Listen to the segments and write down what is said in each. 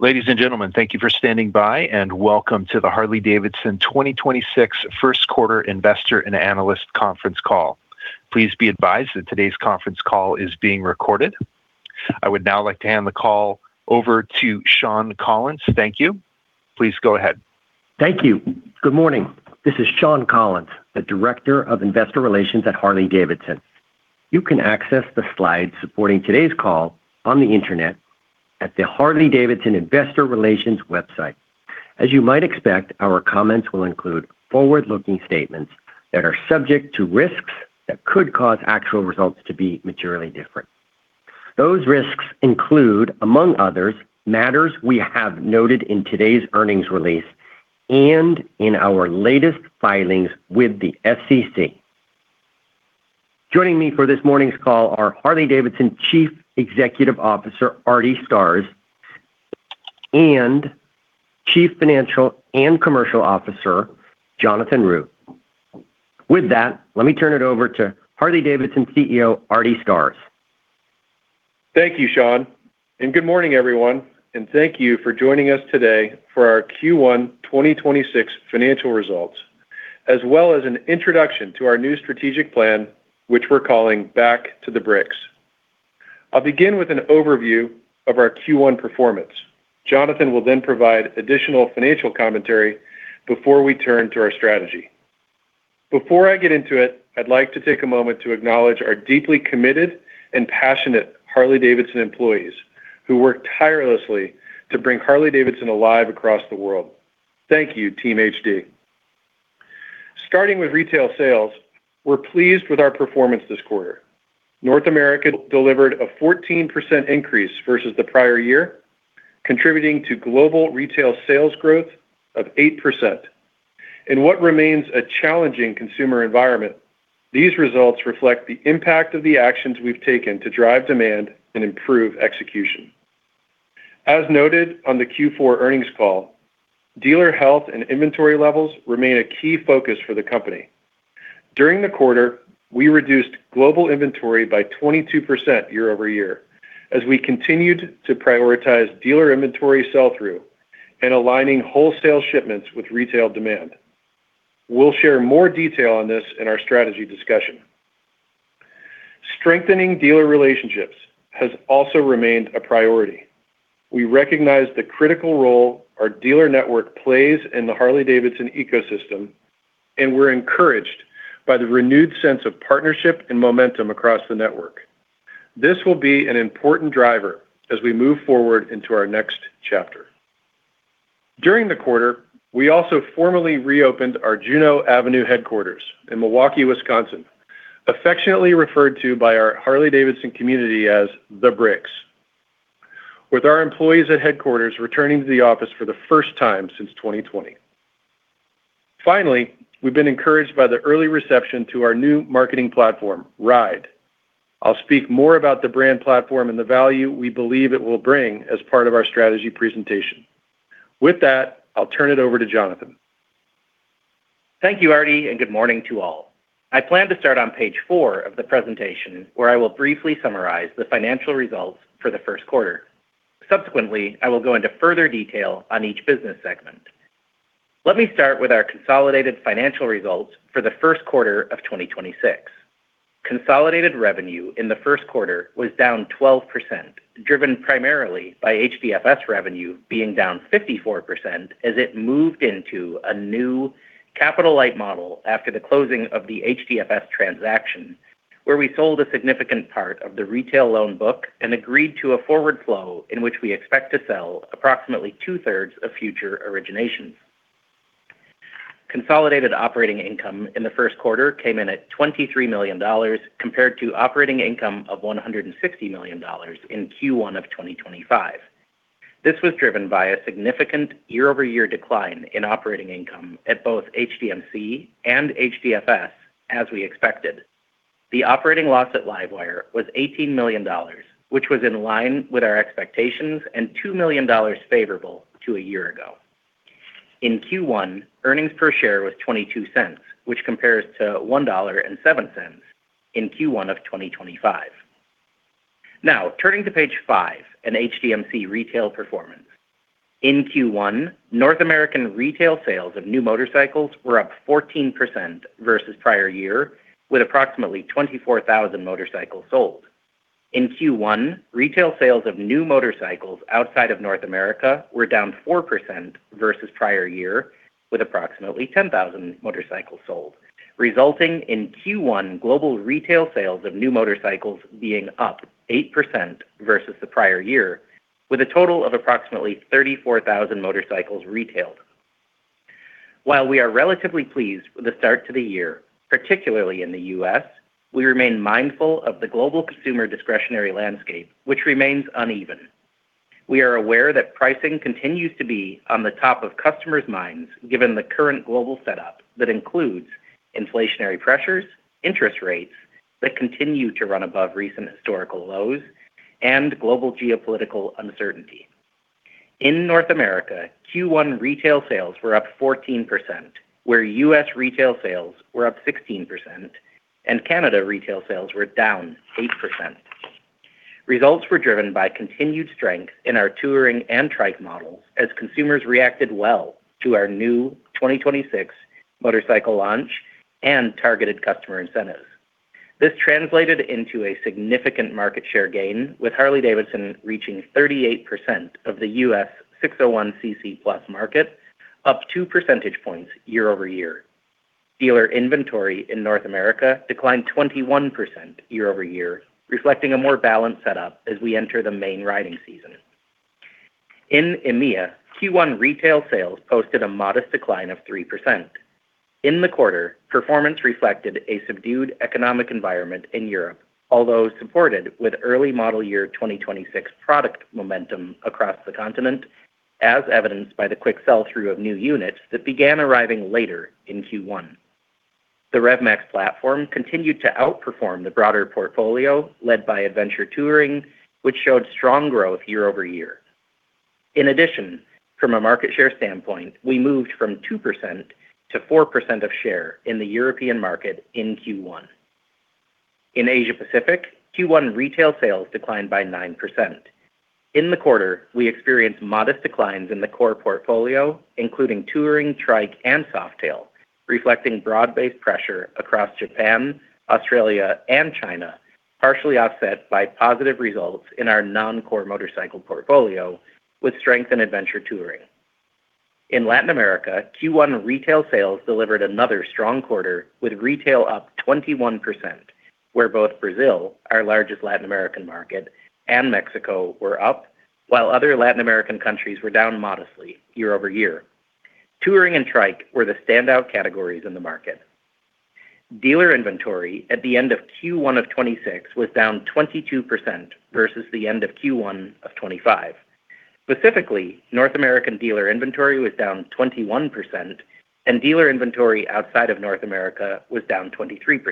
Ladies and gentlemen, thank you for standing by, and welcome to the Harley-Davidson 2026 first quarter investor and analyst conference call. Please be advised that today's conference call is being recorded. I would now like to hand the call over to Shawn Collins. Thank you. Please go ahead. Thank you. Good morning. This is Shawn Collins, the Director of Investor Relations at Harley-Davidson. You can access the slides supporting today's call on the internet at the Harley-Davidson Investor Relations website. As you might expect, our comments will include forward-looking statements that are subject to risks that could cause actual results to be materially different. Those risks include, among others, matters we have noted in today's earnings release and in our latest filings with the SEC. Joining me for this morning's call are Harley-Davidson Chief Executive Officer, Artie Starrs, and Chief Financial and Commercial Officer, Jonathan Root. With that, let me turn it over to Harley-Davidson CEO, Artie Starrs. Thank you, Shawn, good morning, everyone, and thank you for joining us today for our Q1 2026 financial results, as well as an introduction to our new strategic plan, which we're calling Back to the Bricks. I'll begin with an overview of our Q1 performance. Jonathan will provide additional financial commentary before we turn to our strategy. Before I get into it, I'd like to take a moment to acknowledge our deeply committed and passionate Harley-Davidson employees who work tirelessly to bring Harley-Davidson alive across the world. Thank you, Team HD. Starting with retail sales, we're pleased with our performance this quarter. North America delivered a 14% increase versus the prior year, contributing to global retail sales growth of 8%. In what remains a challenging consumer environment, these results reflect the impact of the actions we've taken to drive demand and improve execution. As noted on the Q4 earnings call, dealer health and inventory levels remain a key focus for the company. During the quarter, we reduced global inventory by 22% year-over-year, as we continued to prioritize dealer inventory sell-through and aligning wholesale shipments with retail demand. We'll share more detail on this in our strategy discussion. Strengthening dealer relationships has also remained a priority. We recognize the critical role our dealer network plays in the Harley-Davidson ecosystem, and we're encouraged by the renewed sense of partnership and momentum across the network. This will be an important driver as we move forward into our next chapter. During the quarter, we also formally reopened our Juneau Avenue headquarters in Milwaukee, Wisconsin, affectionately referred to by our Harley-Davidson community as The Bricks, with our employees at headquarters returning to the office for the first time since 2020. Finally, we've been encouraged by the early reception to our new marketing platform, RIDE. I'll speak more about the brand platform and the value we believe it will bring as part of our strategy presentation. With that, I'll turn it over to Jonathan. Thank you, Artie. Good morning to all. I plan to start on page four of the presentation, where I will briefly summarize the financial results for the first quarter. Subsequently, I will go into further detail on each business segment. Let me start with our consolidated financial results for the first quarter of 2026. Consolidated revenue in the first quarter was down 12%, driven primarily by HDFS revenue being down 54% as it moved into a new capital-light model after the closing of the HDFS transaction, where we sold a significant part of the retail loan book and agreed to a forward flow in which we expect to sell approximately 2/3 of future originations. Consolidated operating income in the first quarter came in at $23 million compared to operating income of $160 million in Q1 of 2025. This was driven by a significant year-over-year decline in operating income at both HDMC and HDFS, as we expected. The operating loss at LiveWire was $18 million, which was in line with our expectations and $2 million favorable to a year ago. In Q1, earnings per share was $0.22, which compares to $1.07 in Q1 of 2025. Now, turning to page five in HDMC retail performance. In Q1, North American retail sales of new motorcycles were up 14% versus prior year, with approximately 24,000 motorcycles sold. In Q1, retail sales of new motorcycles outside of North America were down 4% versus prior year, with approximately 10,000 motorcycles sold, resulting in Q1 global retail sales of new motorcycles being up 8% versus the prior year, with a total of approximately 34,000 motorcycles retailed. While we are relatively pleased with the start to the year, particularly in the U.S., we remain mindful of the global consumer discretionary landscape, which remains uneven. We are aware that pricing continues to be on the top of customers' minds, given the current global setup that includes inflationary pressures, interest rates that continue to run above recent historical lows, and global geopolitical uncertainty. In North America, Q1 retail sales were up 14%, where U.S. retail sales were up 16%. Canada retail sales were down 8%. Results were driven by continued strength in our Touring and Trike models as consumers reacted well to our new 2026 motorcycle launch and targeted customer incentives. This translated into a significant market share gain, with Harley-Davidson reaching 38% of the U.S. 601 CC+ market, up 2 percentage points year-over-year. Dealer inventory in North America declined 21% year-over-year, reflecting a more balanced setup as we enter the main riding season. In EMEA, Q1 retail sales posted a modest decline of 3%. In the quarter, performance reflected a subdued economic environment in Europe, although supported with early model year 2026 product momentum across the continent, as evidenced by the quick sell-through of new units that began arriving later in Q1. The RevMax platform continued to outperform the broader portfolio, led by Adventure Touring, which showed strong growth year-over-year. In addition, from a market share standpoint, we moved from 2%-4% of share in the European market in Q1. In Asia Pacific, Q1 retail sales declined by 9%. In the quarter, we experienced modest declines in the core portfolio, including Touring, Trike, and Softail, reflecting broad-based pressure across Japan, Australia, and China, partially offset by positive results in our non-core motorcycle portfolio with strength in Adventure Touring. In Latin America, Q1 retail sales delivered another strong quarter, with retail up 21%, where both Brazil, our largest Latin American market, and Mexico were up, while other Latin American countries were down modestly year-over-year. Touring and Trike were the standout categories in the market. Dealer inventory at the end of Q1 of 2026 was down 22% versus the end of Q1 of 2025. Specifically, North American dealer inventory was down 21%, and dealer inventory outside of North America was down 23%.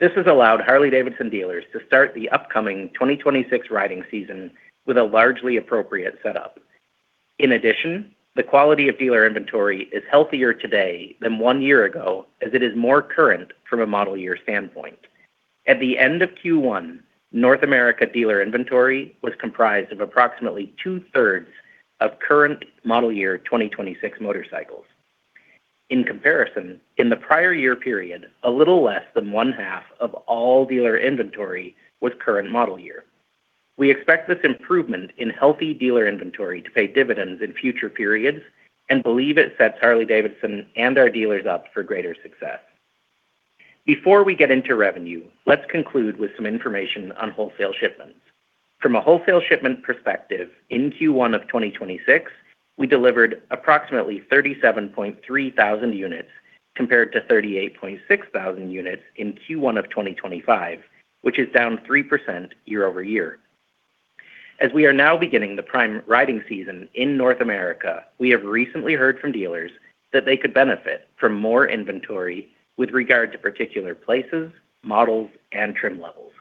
This has allowed Harley-Davidson dealers to start the upcoming 2026 riding season with a largely appropriate setup. In addition, the quality of dealer inventory is healthier today than one year ago, as it is more current from a model year standpoint. At the end of Q1, North America dealer inventory was comprised of approximately 2/3 of current model year 2026 motorcycles. In comparison, in the prior year period, a little less than 1/2 of all dealer inventory was current model year. We expect this improvement in healthy dealer inventory to pay dividends in future periods and believe it sets Harley-Davidson and our dealers up for greater success. Before we get into revenue, let's conclude with some information on wholesale shipments. From a wholesale shipment perspective, in Q1 of 2026, we delivered approximately 37,300 units compared to 38,600 units in Q1 of 2025, which is down 3% year-over-year. As we are now beginning the prime riding season in North America, we have recently heard from dealers that they could benefit from more inventory with regard to particular places, models, and trim levels.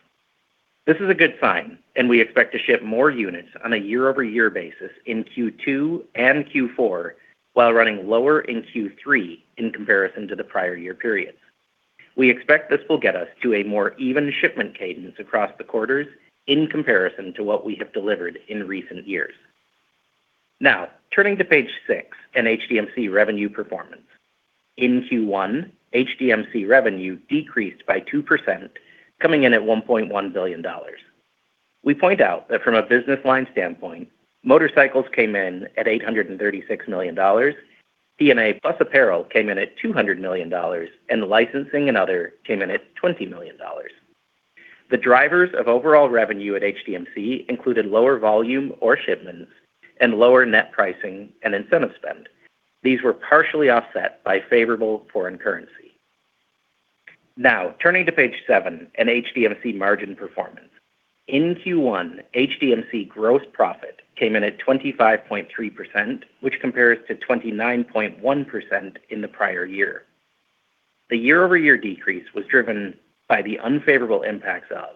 This is a good sign, we expect to ship more units on a year-over-year basis in Q2 and Q4 while running lower in Q3 in comparison to the prior year periods. We expect this will get us to a more even shipment cadence across the quarters in comparison to what we have delivered in recent years. Turning to page six and HDMC revenue performance. In Q1, HDMC revenue decreased by 2%, coming in at $1.1 billion. We point out that from a business line standpoint, motorcycles came in at $836 million, P&A plus apparel came in at $200 million, licensing and other came in at $20 million. The drivers of overall revenue at HDMC included lower volume or shipments and lower net pricing and incentive spend. These were partially offset by favorable foreign currency. Turning to page seven and HDMC margin performance. In Q1, HDMC gross profit came in at 25.3%, which compares to 29.1% in the prior year. The year-over-year decrease was driven by the unfavorable impacts of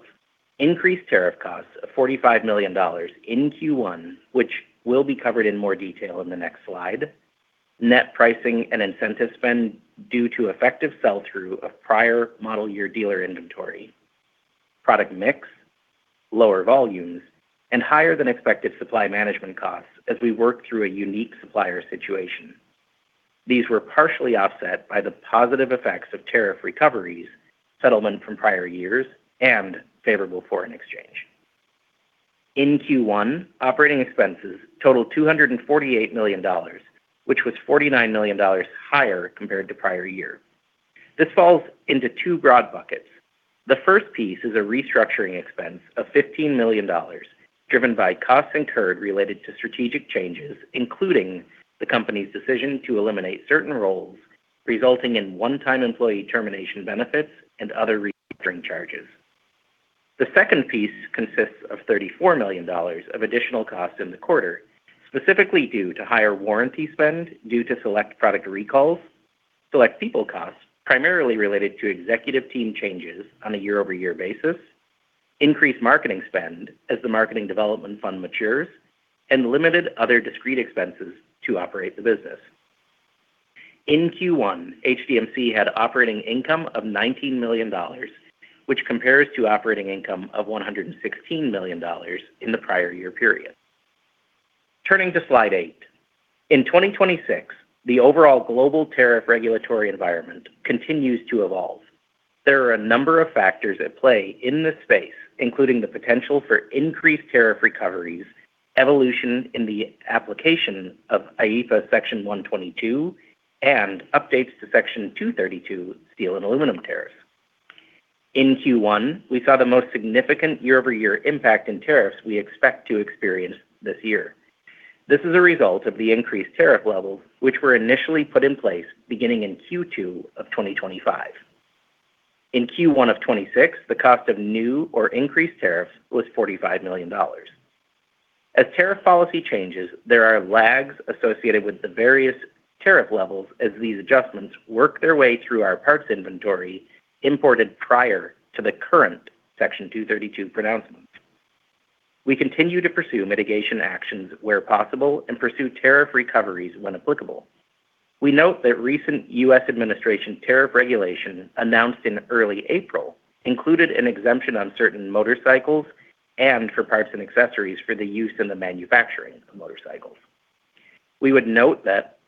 increased tariff costs of $45 million in Q1, which will be covered in more detail in the next slide, net pricing and incentive spend due to effective sell-through of prior model year dealer inventory, product mix, lower volumes, and higher-than-expected supply management costs as we work through a unique supplier situation. These were partially offset by the positive effects of tariff recoveries, settlement from prior years, and favorable foreign exchange. In Q1, operating expenses totaled $248 million, which was $49 million higher compared to prior year. This falls into two broad buckets. The first piece is a restructuring expense of $15 million, driven by costs incurred related to strategic changes, including the company's decision to eliminate certain roles, resulting in one-time employee termination benefits and other restructuring charges. The second piece consists of $34 million of additional costs in the quarter, specifically due to higher warranty spend due to select product recalls, select people costs, primarily related to executive team changes on a year-over-year basis. Increased Marketing Development Fund spend as the Marketing Development Fund matures, and limited other discrete expenses to operate the business. In Q1, HDMC had operating income of $19 million, which compares to operating income of $116 million in the prior year period. Turning to slide eight. In 2026, the overall global tariff regulatory environment continues to evolve. There are a number of factors at play in this space, including the potential for increased tariff recoveries, evolution in the application of Section 122, and updates to Section 232 steel and aluminum tariffs. In Q1, we saw the most significant year-over-year impact in tariffs we expect to experience this year. This is a result of the increased tariff levels, which were initially put in place beginning in Q2 of 2025. In Q1 of 2026, the cost of new or increased tariffs was $45 million. As tariff policy changes, there are lags associated with the various tariff levels as these adjustments work their way through our parts inventory imported prior to the current Section 232 pronouncements. We continue to pursue mitigation actions where possible and pursue tariff recoveries when applicable. We note that recent U.S. administration tariff regulation announced in early April included an exemption on certain motorcycles and for parts and accessories for the use in the manufacturing of motorcycles. We would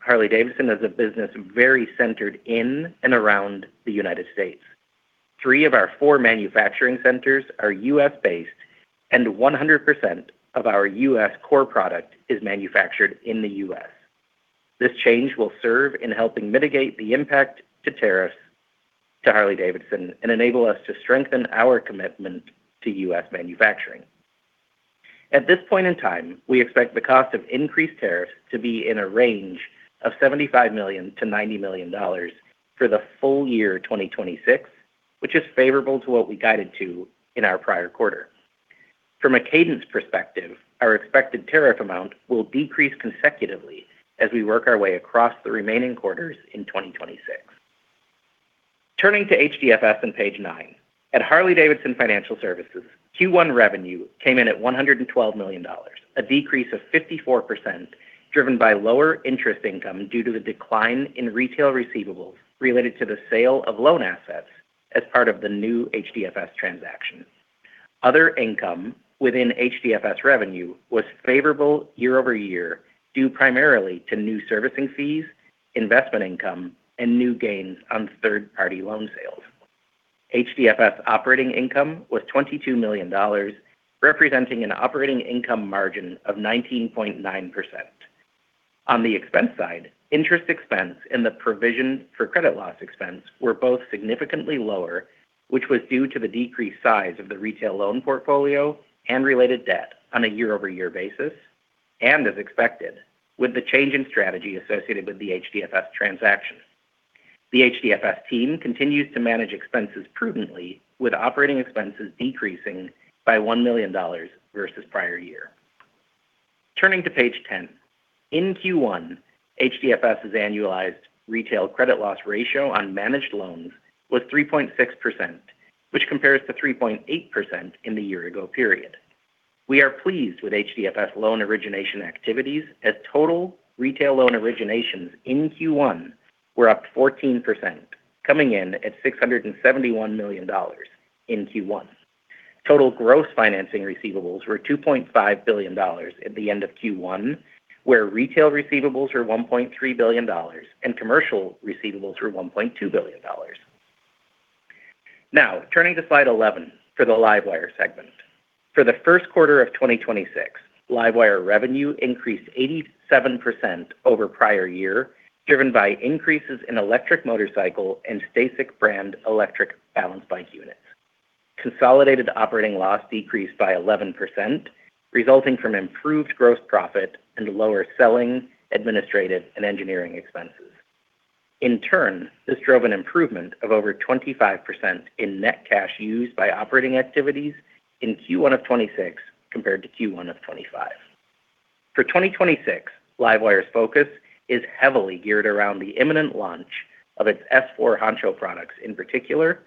note that Harley-Davidson is a business very centered in and around the United States. Three of our four manufacturing centers are U.S.-based, and 100% of our U.S. core product is manufactured in the U.S. This change will serve in helping mitigate the impact to tariffs to Harley-Davidson and enable us to strengthen our commitment to U.S. manufacturing. At this point in time, we expect the cost of increased tariffs to be in a range of $75 million-$90 million for the full year 2026, which is favorable to what we guided to in our prior quarter. From a cadence perspective, our expected tariff amount will decrease consecutively as we work our way across the remaining quarters in 2026. Turning to HDFS on page nine. At Harley-Davidson Financial Services, Q1 revenue came in at $112 million, a decrease of 54%, driven by lower interest income due to the decline in retail receivables related to the sale of loan assets as part of the new HDFS transaction. Other income within HDFS revenue was favorable year-over-year due primarily to new servicing fees, investment income, and new gains on third-party loan sales. HDFS operating income was $22 million, representing an operating income margin of 19.9%. On the expense side, interest expense and the provision for credit loss expense were both significantly lower, which was due to the decreased size of the retail loan portfolio and related debt on a year-over-year basis, and as expected, with the change in strategy associated with the HDFS transaction. The HDFS team continues to manage expenses prudently, with operating expenses decreasing by $1 million versus prior year. Turning to page 10. In Q1, HDFS's annualized retail credit loss ratio on managed loans was 3.6%, which compares to 3.8% in the year-ago period. We are pleased with HDFS loan origination activities as total retail loan originations in Q1 were up 14%, coming in at $671 million in Q1. Total gross financing receivables were $2.5 billion at the end of Q1, where retail receivables were $1.3 billion and commercial receivables were $1.2 billion. Turning to slide 11 for the LiveWire segment. For the first quarter of 2026, LiveWire revenue increased 87% over prior year, driven by increases in electric motorcycle and STACYC brand electric balanced bike units. Consolidated operating loss decreased by 11%, resulting from improved gross profit and lower selling, administrative, and engineering expenses. In turn, this drove an improvement of over 25% in net cash used by operating activities in Q1 of 2026 compared to Q1 of 2025. For 2026, LiveWire's focus is heavily geared around the imminent launch of its S4 Honcho products in particular,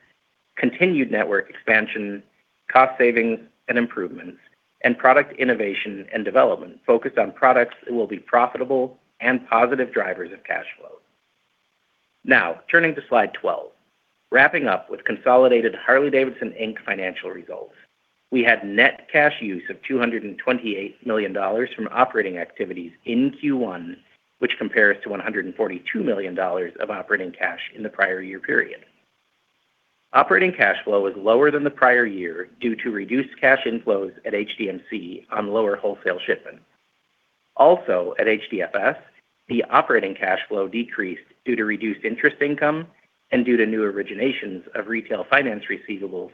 continued network expansion, cost savings and improvements, and product innovation and development focused on products that will be profitable and positive drivers of cash flow. Now, turning to slide 12. Wrapping up with consolidated Harley-Davidson, Inc. financial results, we had net cash use of $228 million from operating activities in Q1, which compares to $142 million of operating cash in the prior year period. Operating cash flow was lower than the prior year due to reduced cash inflows at HDMC on lower wholesale shipments. Also, at HDFS, the operating cash flow decreased due to reduced interest income and due to new originations of retail finance receivables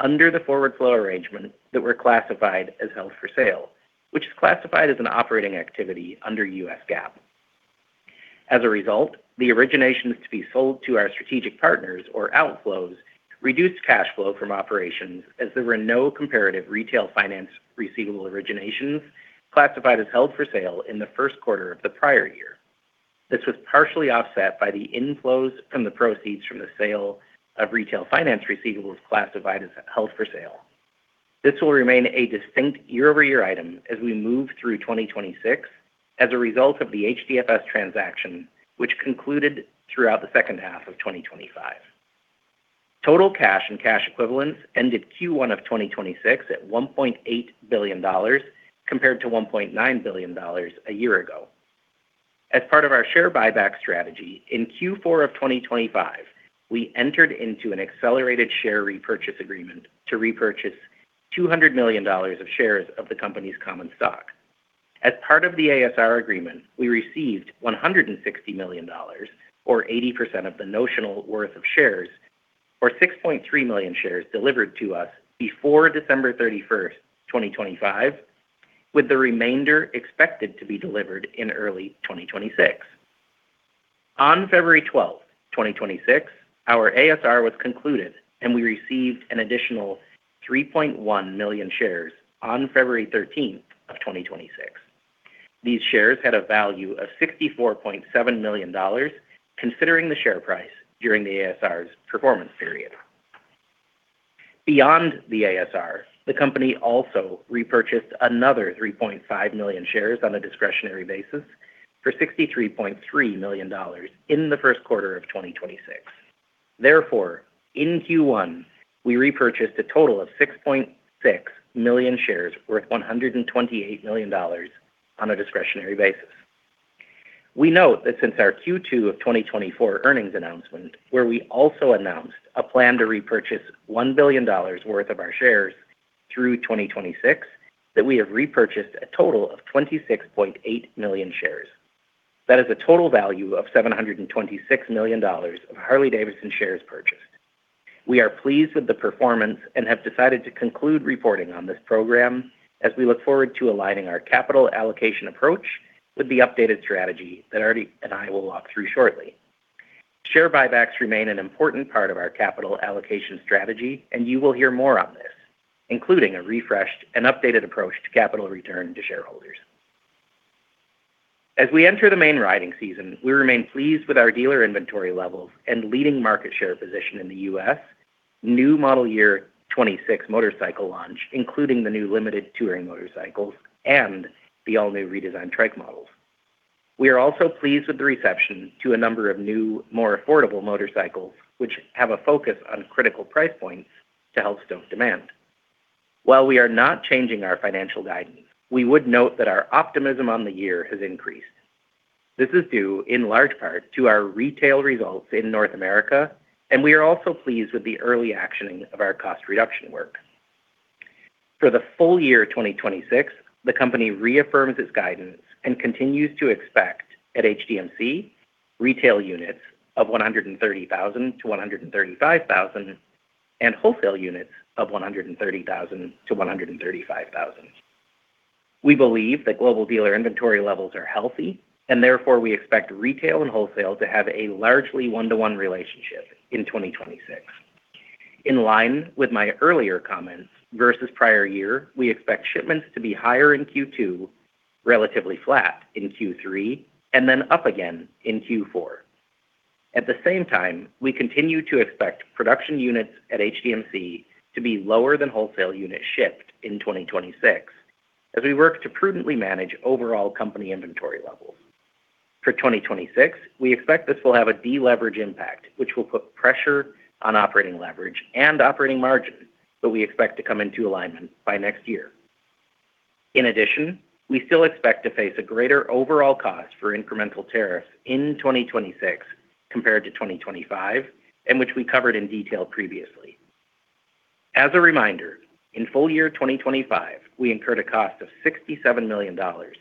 under the forward flow arrangement that were classified as held for sale, which is classified as an operating activity under U.S. GAAP. As a result, the originations to be sold to our strategic partners or outflows reduced cash flow from operations as there were no comparative retail finance receivable originations classified as held for sale in the first quarter of the prior year. This was partially offset by the inflows from the proceeds from the sale of retail finance receivables classified as held for sale. This will remain a distinct year-over-year item as we move through 2026 as a result of the HDFS transaction, which concluded throughout the second half of 2025. Total cash and cash equivalents ended Q1 of 2026 at $1.8 billion compared to $1.9 billion a year ago. As part of our share buyback strategy, in Q4 of 2025, we entered into an accelerated share repurchase agreement to repurchase $200 million of shares of the company's common stock. As part of the ASR agreement, we received $160 million, or 80% of the notional worth of shares, or 6.3 million shares delivered to us before December 31st, 2025, with the remainder expected to be delivered in early 2026. On February 12, 2026, our ASR was concluded, and we received an additional 3.1 million shares on February 13, 2026. These shares had a value of $64.7 million considering the share price during the ASR's performance period. Beyond the ASR, the company also repurchased another 3.5 million shares on a discretionary basis for $63.3 million in the first quarter of 2026. Therefore, in Q1, we repurchased a total of 6.6 million shares worth $128 million on a discretionary basis. We note that since our Q2 of 2024 earnings announcement, where we also announced a plan to repurchase $1 billion worth of our shares through 2026, that we have repurchased a total of 26.8 million shares. That is a total value of $726 million of Harley-Davidson shares purchased. We are pleased with the performance and have decided to conclude reporting on this program as we look forward to aligning our capital allocation approach with the updated strategy that Artie and I will walk through shortly. Share buybacks remain an important part of our capital allocation strategy. You will hear more on this, including a refreshed and updated approach to capital return to shareholders. As we enter the main riding season, we remain pleased with our dealer inventory levels and leading market share position in the U.S., new model year 2026 motorcycle launch, including the new limited Touring motorcycles and the all-new redesigned Trike models. We are also pleased with the reception to a number of new, more affordable motorcycles, which have a focus on critical price points to help stoke demand. While we are not changing our financial guidance, we would note that our optimism on the year has increased. This is due in large part to our retail results in North America, and we are also pleased with the early actioning of our cost reduction work. For the full year 2026, the company reaffirms its guidance and continues to expect at HDMC retail units of 130,000-135,000 and wholesale units of 130,000-135,000. We believe that global dealer inventory levels are healthy, and therefore, we expect retail and wholesale to have a largely one-to-one relationship in 2026. In line with my earlier comments versus prior year, we expect shipments to be higher in Q2, relatively flat in Q3, and then up again in Q4. At the same time, we continue to expect production units at HDMC to be lower than wholesale units shipped in 2026 as we work to prudently manage overall company inventory levels. For 2026, we expect this will have a deleverage impact, which will put pressure on operating leverage and operating margin that we expect to come into alignment by next year. In addition, we still expect to face a greater overall cost for incremental tariffs in 2026 compared to 2025, which we covered in detail previously. As a reminder, in full year 2025, we incurred a cost of $67 million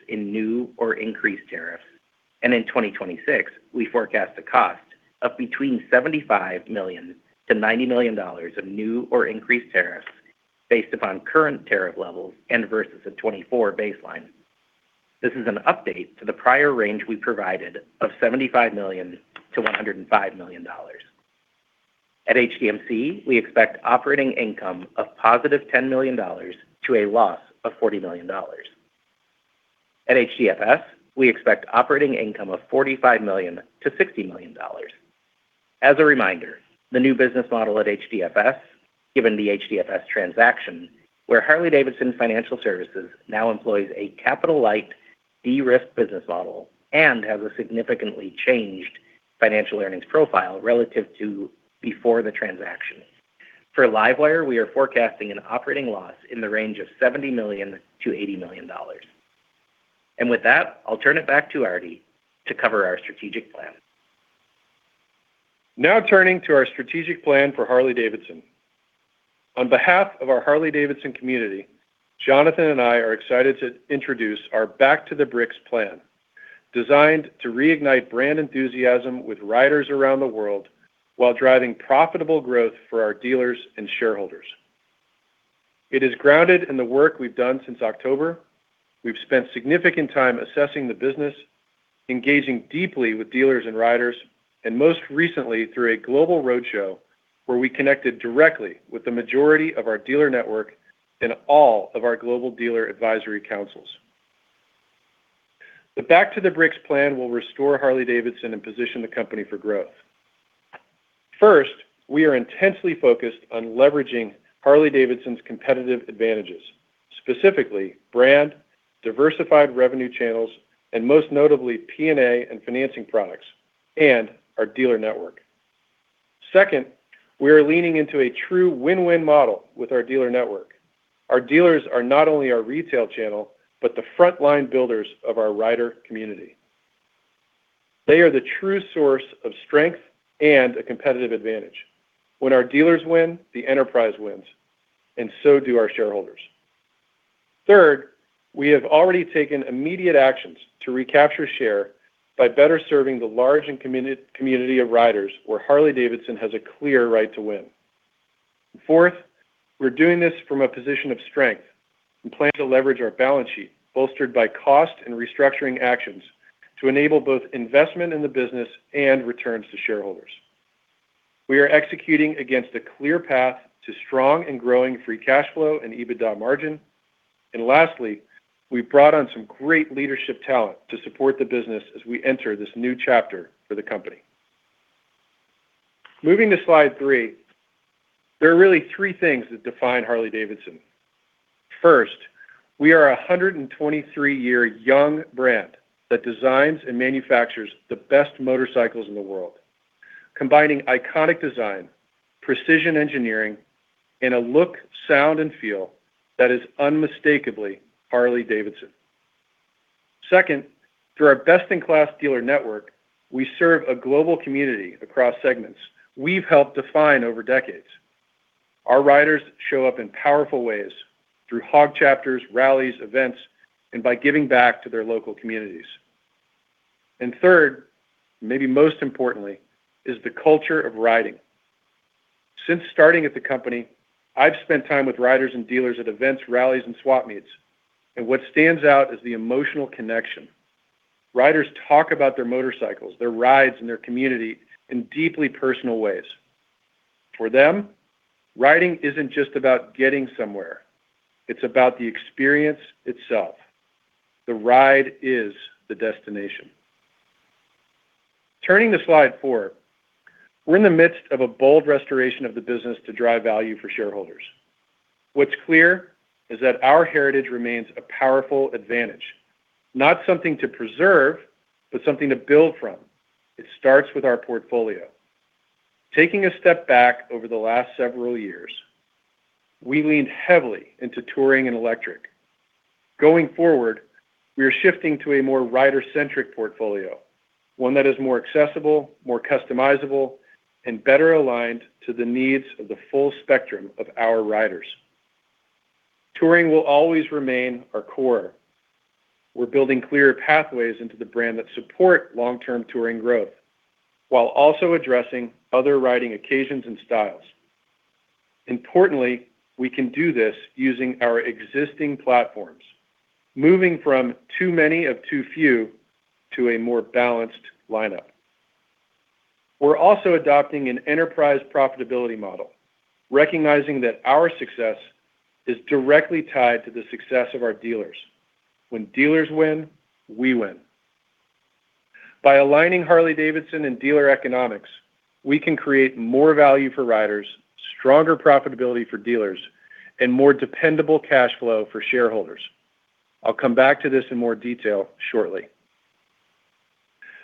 in new or increased tariffs. In 2026, we forecast a cost of between $75 million-$90 million of new or increased tariffs based upon current tariff levels and versus a 2024 baseline. This is an update to the prior range we provided of $75 million-$105 million. At HDMC, we expect operating income of positive $10 million to a loss of $40 million. At HDFS, we expect operating income of $45 million-$60 million. As a reminder, the new business model at HDFS, given the HDFS transaction, where Harley-Davidson Financial Services now employs a capital-light de-risk business model and has a significantly changed financial earnings profile relative to before the transaction. For LiveWire, we are forecasting an operating loss in the range of $70 million-$80 million. With that, I'll turn it back to Artie to cover our strategic plan. Now turning to our strategic plan for Harley-Davidson. On behalf of our Harley-Davidson community, Jonathan and I are excited to introduce our Back to the Bricks plan, designed to reignite brand enthusiasm with riders around the world while driving profitable growth for our dealers and shareholders. It is grounded in the work we've done since October. We've spent significant time assessing the business, engaging deeply with dealers and riders, and most recently, through a global roadshow where we connected directly with the majority of our dealer network and all of our global dealer advisory councils. The Back to the Bricks plan will restore Harley-Davidson and position the company for growth. First, we are intensely focused on leveraging Harley-Davidson's competitive advantages, specifically brand, diversified revenue channels, and most notably P&A and financing products, and our dealer network. Second, we are leaning into a true win-win model with our dealer network. Our dealers are not only our retail channel, but the frontline builders of our rider community. They are the true source of strength and a competitive advantage. When our dealers win, the enterprise wins, and so do our shareholders. Third, we have already taken immediate actions to recapture share by better serving the large and community of riders where Harley-Davidson has a clear right to win. Fourth, we're doing this from a position of strength and plan to leverage our balance sheet, bolstered by cost and restructuring actions, to enable both investment in the business and returns to shareholders. We are executing against a clear path to strong and growing free cash flow and EBITDA margin. Lastly, we've brought on some great leadership talent to support the business as we enter this new chapter for the company. Moving to slide three, there are really three things that define Harley-Davidson. First, we are a 123-year young brand that designs and manufactures the best motorcycles in the world, combining iconic design, precision engineering, and a look, sound, and feel that is unmistakably Harley-Davidson. Second, through our best-in-class dealer network, we serve a global community across segments we've helped define over decades. Our riders show up in powerful ways through H.O.G. chapters, rallies, events, and by giving back to their local communities. Third, maybe most importantly, is the culture of riding. Since starting at the company, I've spent time with riders and dealers at events, rallies, and swap meets, and what stands out is the emotional connection. Riders talk about their motorcycles, their rides, and their community in deeply personal ways. For them, riding isn't just about getting somewhere. It's about the experience itself. The ride is the destination. Turning to slide four, we're in the midst of a bold restoration of the business to drive value for shareholders. What's clear is that our heritage remains a powerful advantage, not something to preserve, but something to build from. It starts with our portfolio. Taking a step back over the last several years, we leaned heavily into Touring and electric. Going forward, we are shifting to a more rider-centric portfolio, one that is more accessible, more customizable, and better aligned to the needs of the full spectrum of our riders. Touring will always remain our core. We're building clearer pathways into the brand that support long-term Touring growth while also addressing other riding occasions and styles. Importantly, we can do this using our existing platforms, moving from too many of too few to a more balanced lineup. We're also adopting an enterprise profitability model, recognizing that our success is directly tied to the success of our dealers. When dealers win, we win. By aligning Harley-Davidson and dealer economics, we can create more value for riders, stronger profitability for dealers, and more dependable cash flow for shareholders. I'll come back to this in more detail shortly.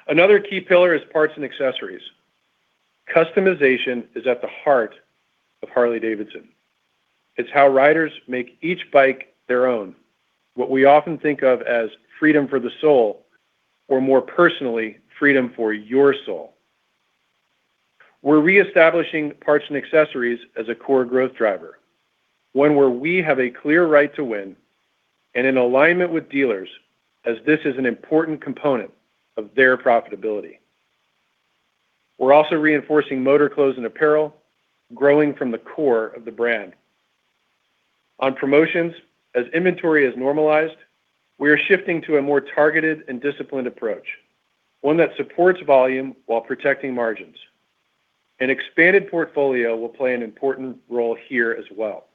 Another key pillar is Parts & Accessories. Customization is at the heart of Harley-Davidson. It's how riders make each bike their own, what we often think of as freedom for the soul, or more personally, freedom for your soul. We're reestablishing Parts & Accessories as a core growth driver. One where we have a clear right to win and in alignment with dealers, as this is an important component of their profitability. We're also reinforcing MotorClothes and apparel, growing from the core of the brand. On promotions, as inventory is normalized, we are shifting to a more targeted and disciplined approach, one that supports volume while protecting margins. An expanded portfolio will play an important role here as well.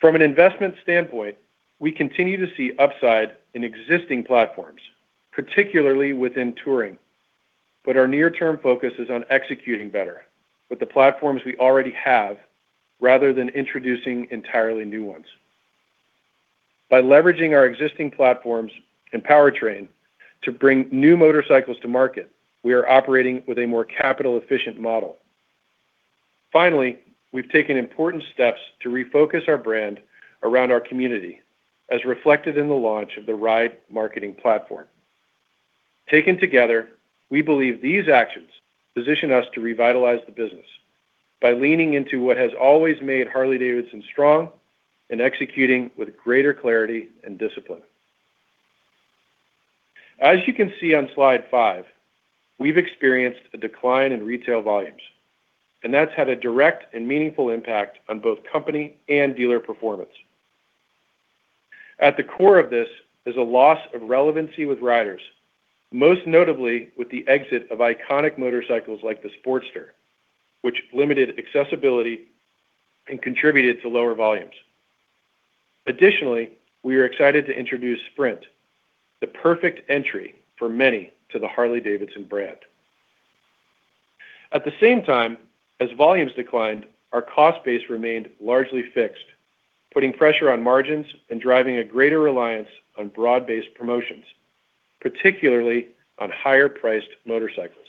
From an investment standpoint, we continue to see upside in existing platforms, particularly within Touring. Our near-term focus is on executing better with the platforms we already have, rather than introducing entirely new ones. By leveraging our existing platforms and powertrain to bring new motorcycles to market, we are operating with a more capital-efficient model. We've taken important steps to refocus our brand around our community, as reflected in the launch of the RIDE marketing platform. Taken together, we believe these actions position us to revitalize the business by leaning into what has always made Harley-Davidson strong and executing with greater clarity and discipline. As you can see on slide five, we've experienced a decline in retail volumes, that's had a direct and meaningful impact on both company and dealer performance. At the core of this is a loss of relevancy with riders, most notably with the exit of iconic motorcycles like the Sportster, which limited accessibility and contributed to lower volumes. Additionally, we are excited to introduce Sprint, the perfect entry for many to the Harley-Davidson brand. At the same time, as volumes declined, our cost base remained largely fixed, putting pressure on margins and driving a greater reliance on broad-based promotions, particularly on higher-priced motorcycles.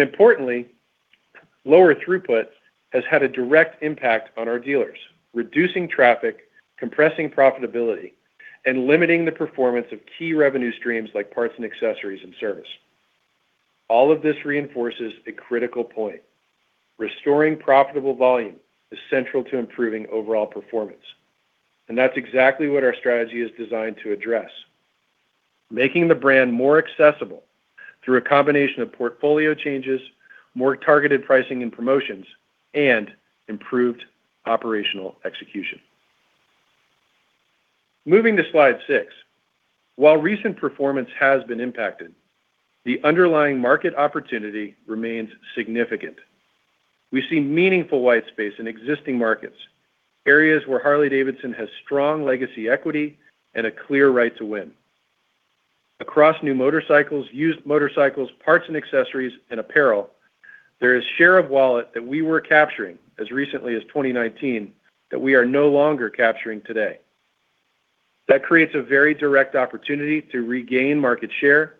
Importantly, lower throughput has had a direct impact on our dealers, reducing traffic, compressing profitability, and limiting the performance of key revenue streams like parts and accessories and service. All of this reinforces a critical point. Restoring profitable volume is central to improving overall performance. That's exactly what our strategy is designed to address, making the brand more accessible through a combination of portfolio changes, more targeted pricing and promotions, and improved operational execution. Moving to slide six. While recent performance has been impacted, the underlying market opportunity remains significant. We see meaningful white space in existing markets, areas where Harley-Davidson has strong legacy equity and a clear right to win. Across new motorcycles, used motorcycles, Parts and Accessories, and Apparel, there is share of wallet that we were capturing as recently as 2019 that we are no longer capturing today. That creates a very direct opportunity to regain market share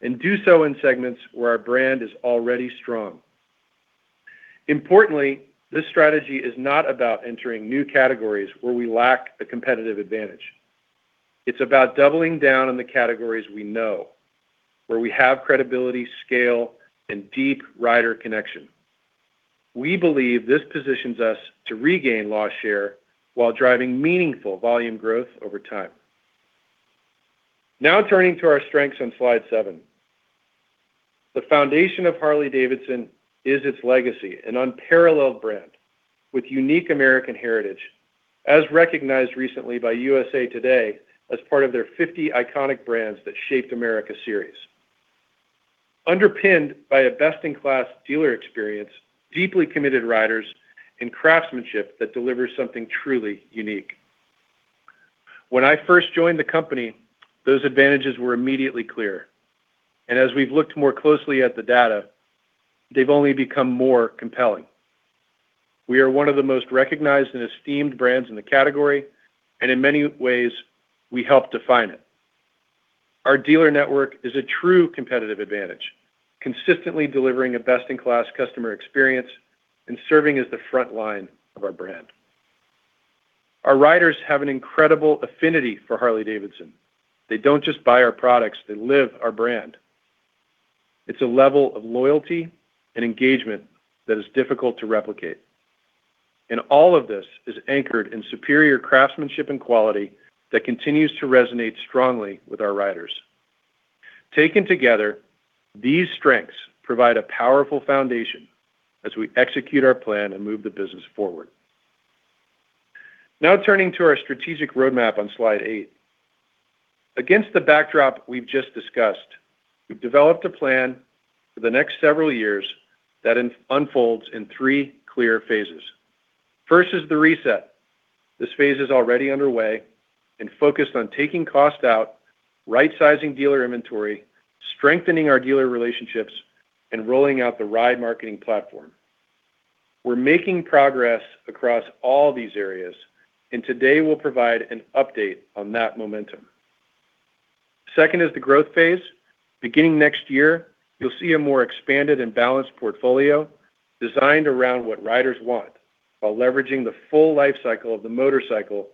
and do so in segments where our brand is already strong. Importantly, this strategy is not about entering new categories where we lack a competitive advantage. It's about doubling down on the categories we know, where we have credibility, scale, and deep rider connection. We believe this positions us to regain lost share while driving meaningful volume growth over time. Turning to our strengths on slide seven. The foundation of Harley-Davidson is its legacy, an unparalleled brand with unique American heritage, as recognized recently by USA Today as part of their 50 Iconic Brands That Shaped America series. Underpinned by a best-in-class dealer experience, deeply committed riders, and craftsmanship that delivers something truly unique. When I first joined the company, those advantages were immediately clear, and as we've looked more closely at the data, they've only become more compelling. We are one of the most recognized and esteemed brands in the category, and in many ways, we help define it. Our dealer network is a true competitive advantage, consistently delivering a best-in-class customer experience and serving as the front line of our brand. Our riders have an incredible affinity for Harley-Davidson. They don't just buy our products, they live our brand. It's a level of loyalty and engagement that is difficult to replicate. All of this is anchored in superior craftsmanship and quality that continues to resonate strongly with our riders. Taken together, these strengths provide a powerful foundation as we execute our plan and move the business forward. Turning to our strategic roadmap on slide eight. Against the backdrop we've just discussed, we've developed a plan for the next several years that unfolds in three clear phases. First is the reset. This phase is already underway and focused on taking cost out, right-sizing dealer inventory, strengthening our dealer relationships, and rolling out the RIDE marketing platform. We're making progress across all these areas, and today we'll provide an update on that momentum. Second is the growth phase. Beginning next year, you'll see a more expanded and balanced portfolio designed around what riders want while leveraging the full lifecycle of the motorcycle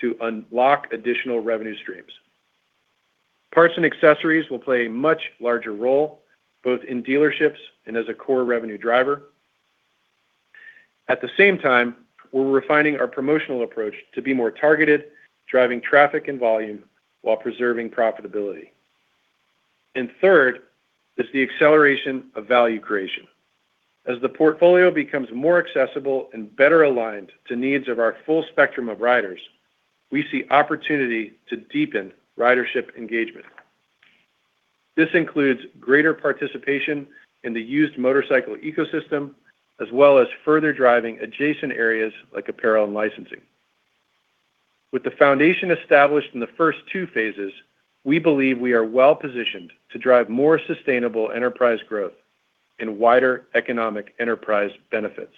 to unlock additional revenue streams. Parts and accessories will play a much larger role, both in dealerships and as a core revenue driver. At the same time, we're refining our promotional approach to be more targeted, driving traffic and volume while preserving profitability. Third is the acceleration of value creation. As the portfolio becomes more accessible and better aligned to needs of our full spectrum of riders, we see opportunity to deepen ridership engagement. This includes greater participation in the used motorcycle ecosystem, as well as further driving adjacent areas like Apparel & Licensing. With the foundation established in the first two phases, we believe we are well-positioned to drive more sustainable enterprise growth and wider economic enterprise benefits.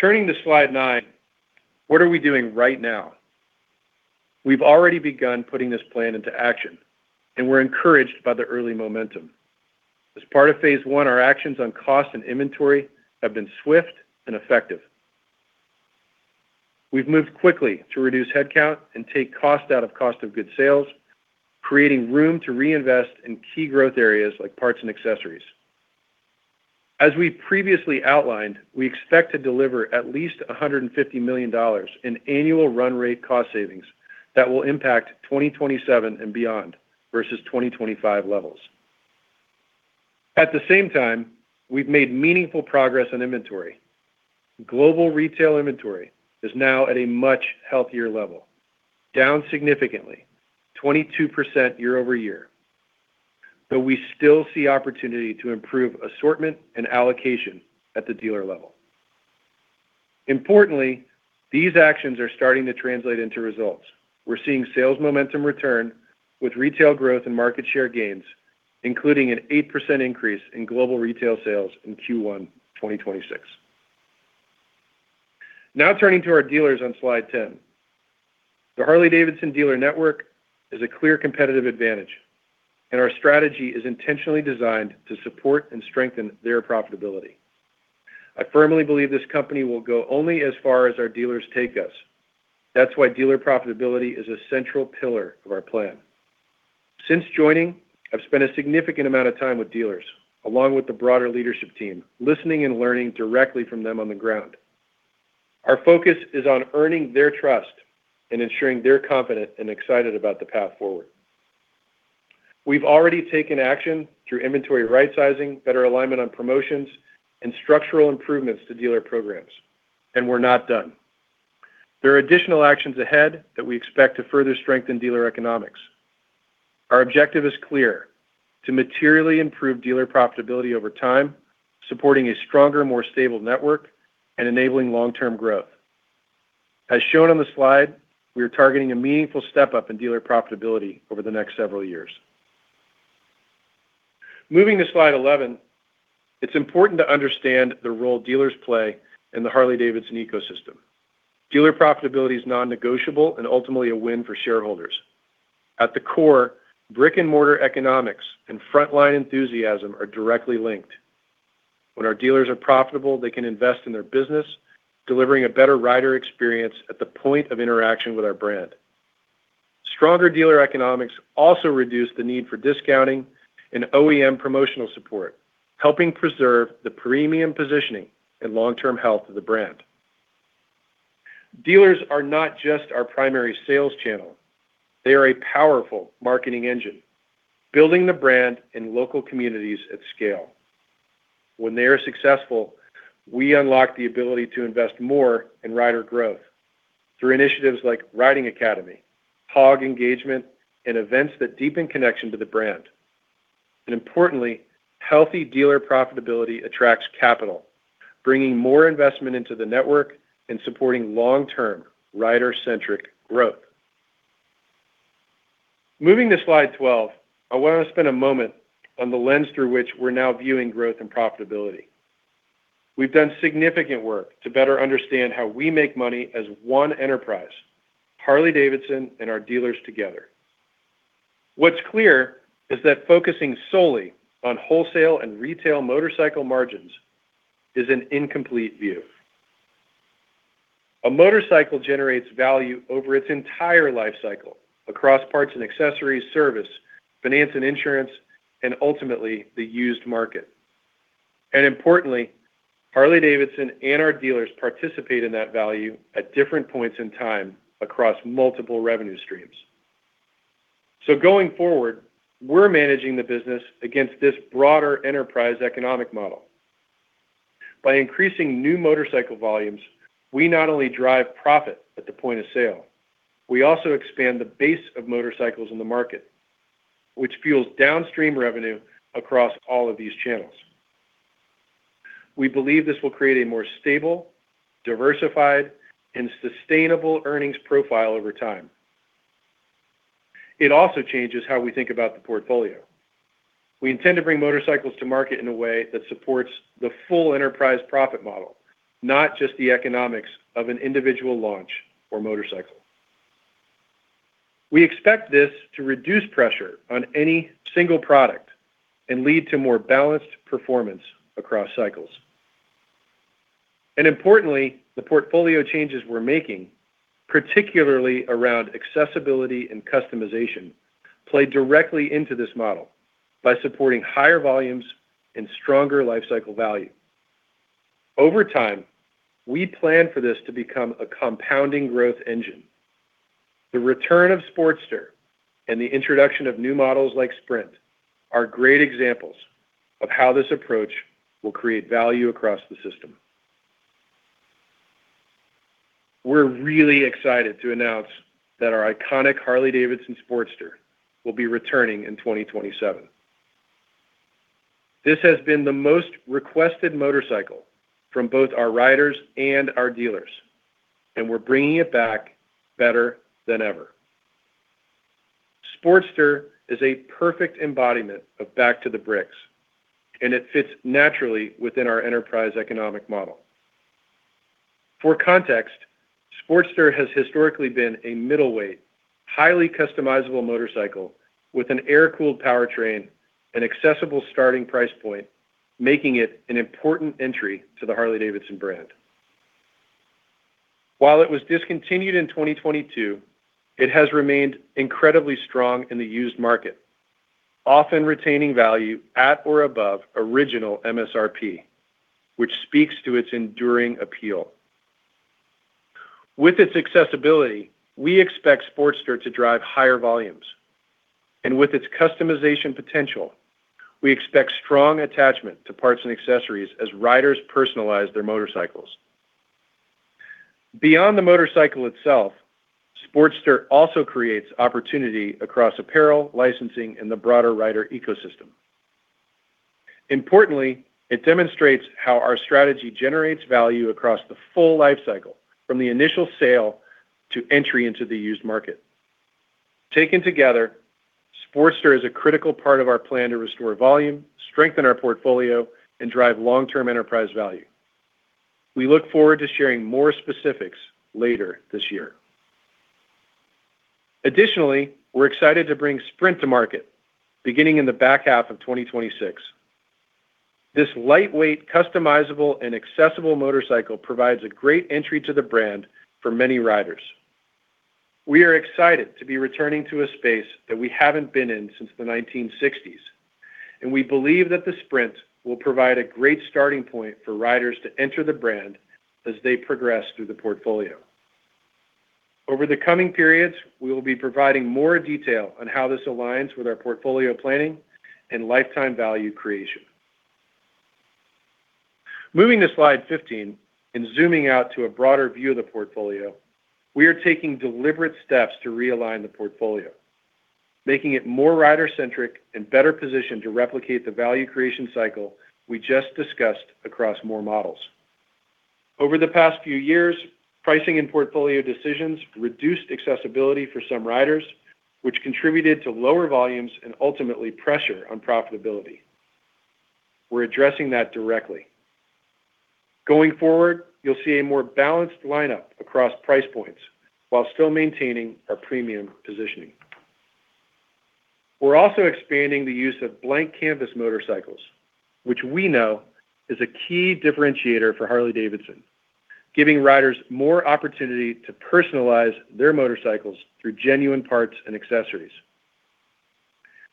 Turning to slide nine, what are we doing right now? We've already begun putting this plan into action, and we're encouraged by the early momentum. As part of phase I, our actions on cost and inventory have been swift and effective. We've moved quickly to reduce headcount and take cost out of cost of goods sales, creating room to reinvest in key growth areas like Parts and Accessories. As we previously outlined, we expect to deliver at least $150 million in annual run-rate cost savings that will impact 2027 and beyond versus 2025 levels. At the same time, we've made meaningful progress on inventory. Global retail inventory is now at a much healthier level, down significantly, 22% year-over-year. We still see opportunity to improve assortment and allocation at the dealer level. Importantly, these actions are starting to translate into results. We're seeing sales momentum return with retail growth and market share gains, including an 8% increase in global retail sales in Q1 2026. Turning to our dealers on slide 10. The Harley-Davidson dealer network is a clear competitive advantage, and our strategy is intentionally designed to support and strengthen their profitability. I firmly believe this company will go only as far as our dealers take us. That's why dealer profitability is a central pillar of our plan. Since joining, I've spent a significant amount of time with dealers, along with the broader leadership team, listening and learning directly from them on the ground. Our focus is on earning their trust and ensuring they're confident and excited about the path forward. We've already taken action through inventory right-sizing, better alignment on promotions, and structural improvements to dealer programs. We're not done. There are additional actions ahead that we expect to further strengthen dealer economics. Our objective is clear, to materially improve dealer profitability over time, supporting a stronger, more stable network and enabling long-term growth. As shown on the slide, we are targeting a meaningful step-up in dealer profitability over the next several years. Moving to slide 11, it's important to understand the role dealers play in the Harley-Davidson ecosystem. Dealer profitability is non-negotiable and ultimately a win for shareholders. At the core, brick-and-mortar economics and frontline enthusiasm are directly linked. Our dealers are profitable, they can invest in their business, delivering a better rider experience at the point of interaction with our brand. Stronger dealer economics also reduce the need for discounting and OEM promotional support, helping preserve the premium positioning and long-term health of the brand. Dealers are not just our primary sales channel. They are a powerful marketing engine, building the brand in local communities at scale. They are successful, we unlock the ability to invest more in rider growth through initiatives like Riding Academy, H.O.G. engagement, and events that deepen connection to the brand. Importantly, healthy dealer profitability attracts capital, bringing more investment into the network and supporting long-term rider-centric growth. Moving to slide 12, I want to spend a moment on the lens through which we're now viewing growth and profitability. We've done significant work to better understand how we make money as one enterprise, Harley-Davidson and our dealers together. What's clear is that focusing solely on wholesale and retail motorcycle margins is an incomplete view. A motorcycle generates value over its entire life cycle across parts and accessories, service, finance and insurance, and ultimately the used market. Importantly, Harley-Davidson and our dealers participate in that value at different points in time across multiple revenue streams. Going forward, we're managing the business against this broader enterprise economic model. By increasing new motorcycle volumes, we not only drive profit at the point of sale, we also expand the base of motorcycles in the market, which fuels downstream revenue across all of these channels. We believe this will create a more stable, diversified, and sustainable earnings profile over time. It also changes how we think about the portfolio. We intend to bring motorcycles to market in a way that supports the full enterprise profit model, not just the economics of an individual launch or motorcycle. We expect this to reduce pressure on any single product and lead to more balanced performance across cycles. Importantly, the portfolio changes we're making, particularly around accessibility and customization, play directly into this model by supporting higher volumes and stronger lifecycle value. Over time, we plan for this to become a compounding growth engine. The return of Sportster and the introduction of new models like Sprint are great examples of how this approach will create value across the system. We're really excited to announce that our iconic Harley-Davidson Sportster will be returning in 2027. This has been the most requested motorcycle from both our riders and our dealers, and we're bringing it back better than ever. Sportster is a perfect embodiment of Back to the Bricks, it fits naturally within our enterprise economic model. For context, Sportster has historically been a middleweight, highly customizable motorcycle with an air-cooled powertrain and accessible starting price point, making it an important entry to the Harley-Davidson brand. While it was discontinued in 2022, it has remained incredibly strong in the used market, often retaining value at or above original MSRP, which speaks to its enduring appeal. With its accessibility, we expect Sportster to drive higher volumes. With its customization potential, we expect strong attachment to Parts & Accessories as riders personalize their motorcycles. Beyond the motorcycle itself, Sportster also creates opportunity across Apparel & Licensing and the broader rider ecosystem. Importantly, it demonstrates how our strategy generates value across the full life cycle, from the initial sale to entry into the used market. Taken together, Sportster is a critical part of our plan to restore volume, strengthen our portfolio, and drive long-term enterprise value. We look forward to sharing more specifics later this year. Additionally, we're excited to bring Sprint to market beginning in the back half of 2026. This lightweight, customizable, and accessible motorcycle provides a great entry to the brand for many riders. We are excited to be returning to a space that we haven't been in since the 1960s, and we believe that the Sprint will provide a great starting point for riders to enter the brand as they progress through the portfolio. Over the coming periods, we will be providing more detail on how this aligns with our portfolio planning and lifetime value creation. Moving to slide 15 and zooming out to a broader view of the portfolio, we are taking deliberate steps to realign the portfolio, making it more rider-centric and better positioned to replicate the value creation cycle we just discussed across more models. Over the past few years, pricing and portfolio decisions reduced accessibility for some riders, which contributed to lower volumes and ultimately pressure on profitability. We're addressing that directly. Going forward, you'll see a more balanced lineup across price points while still maintaining our premium positioning. We're also expanding the use of blank canvas motorcycles, which we know is a key differentiator for Harley-Davidson, giving riders more opportunity to personalize their motorcycles through genuine parts and accessories.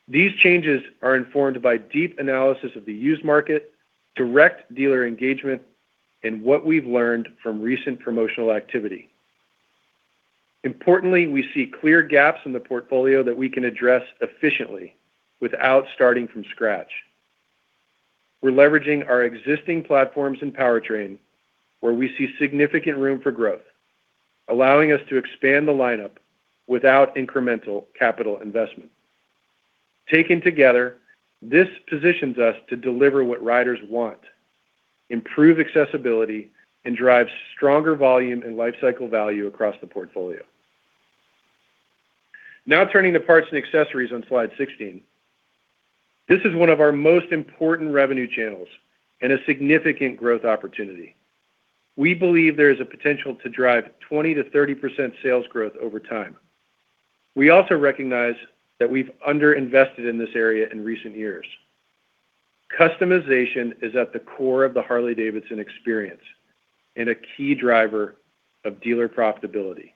These changes are informed by deep analysis of the used market, direct dealer engagement, and what we've learned from recent promotional activity. Importantly, we see clear gaps in the portfolio that we can address efficiently without starting from scratch. We're leveraging our existing platforms and powertrain where we see significant room for growth, allowing us to expand the lineup without incremental capital investment. Taken together, this positions us to deliver what riders want, improve accessibility, and drive stronger volume and lifecycle value across the portfolio. Turning to parts and accessories on slide 16. This is one of our most important revenue channels and a significant growth opportunity. We believe there is a potential to drive 20%-30% sales growth over time. We also recognize that we've underinvested in this area in recent years. Customization is at the core of the Harley-Davidson experience and a key driver of dealer profitability.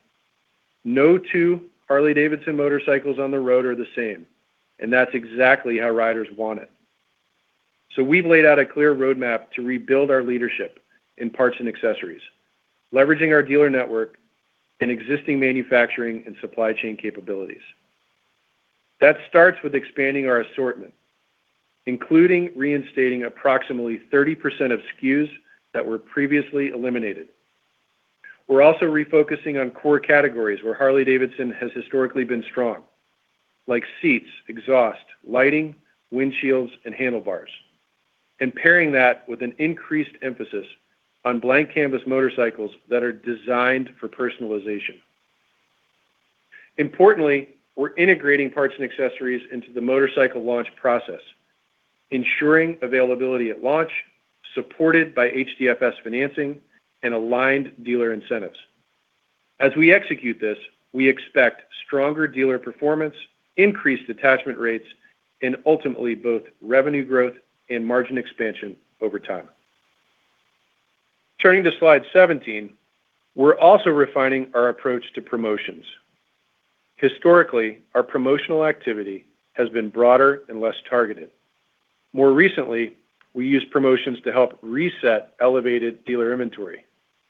No two Harley-Davidson motorcycles on the road are the same, and that's exactly how riders want it. We've laid out a clear roadmap to rebuild our leadership in Parts & Accessories, leveraging our dealer network and existing manufacturing and supply chain capabilities. That starts with expanding our assortment, including reinstating approximately 30% of SKUs that were previously eliminated. We're also refocusing on core categories where Harley-Davidson has historically been strong, like seats, exhaust, lighting, windshields, and handlebars, and pairing that with an increased emphasis on blank canvas motorcycles that are designed for personalization. Importantly, we're integrating Parts & Accessories into the motorcycle launch process, ensuring availability at launch, supported by HDFS financing and aligned dealer incentives. As we execute this, we expect stronger dealer performance, increased attachment rates, and ultimately both revenue growth and margin expansion over time. Turning to slide 17. We're also refining our approach to promotions. Historically, our promotional activity has been broader and less targeted. More recently, we used promotions to help reset elevated dealer inventory,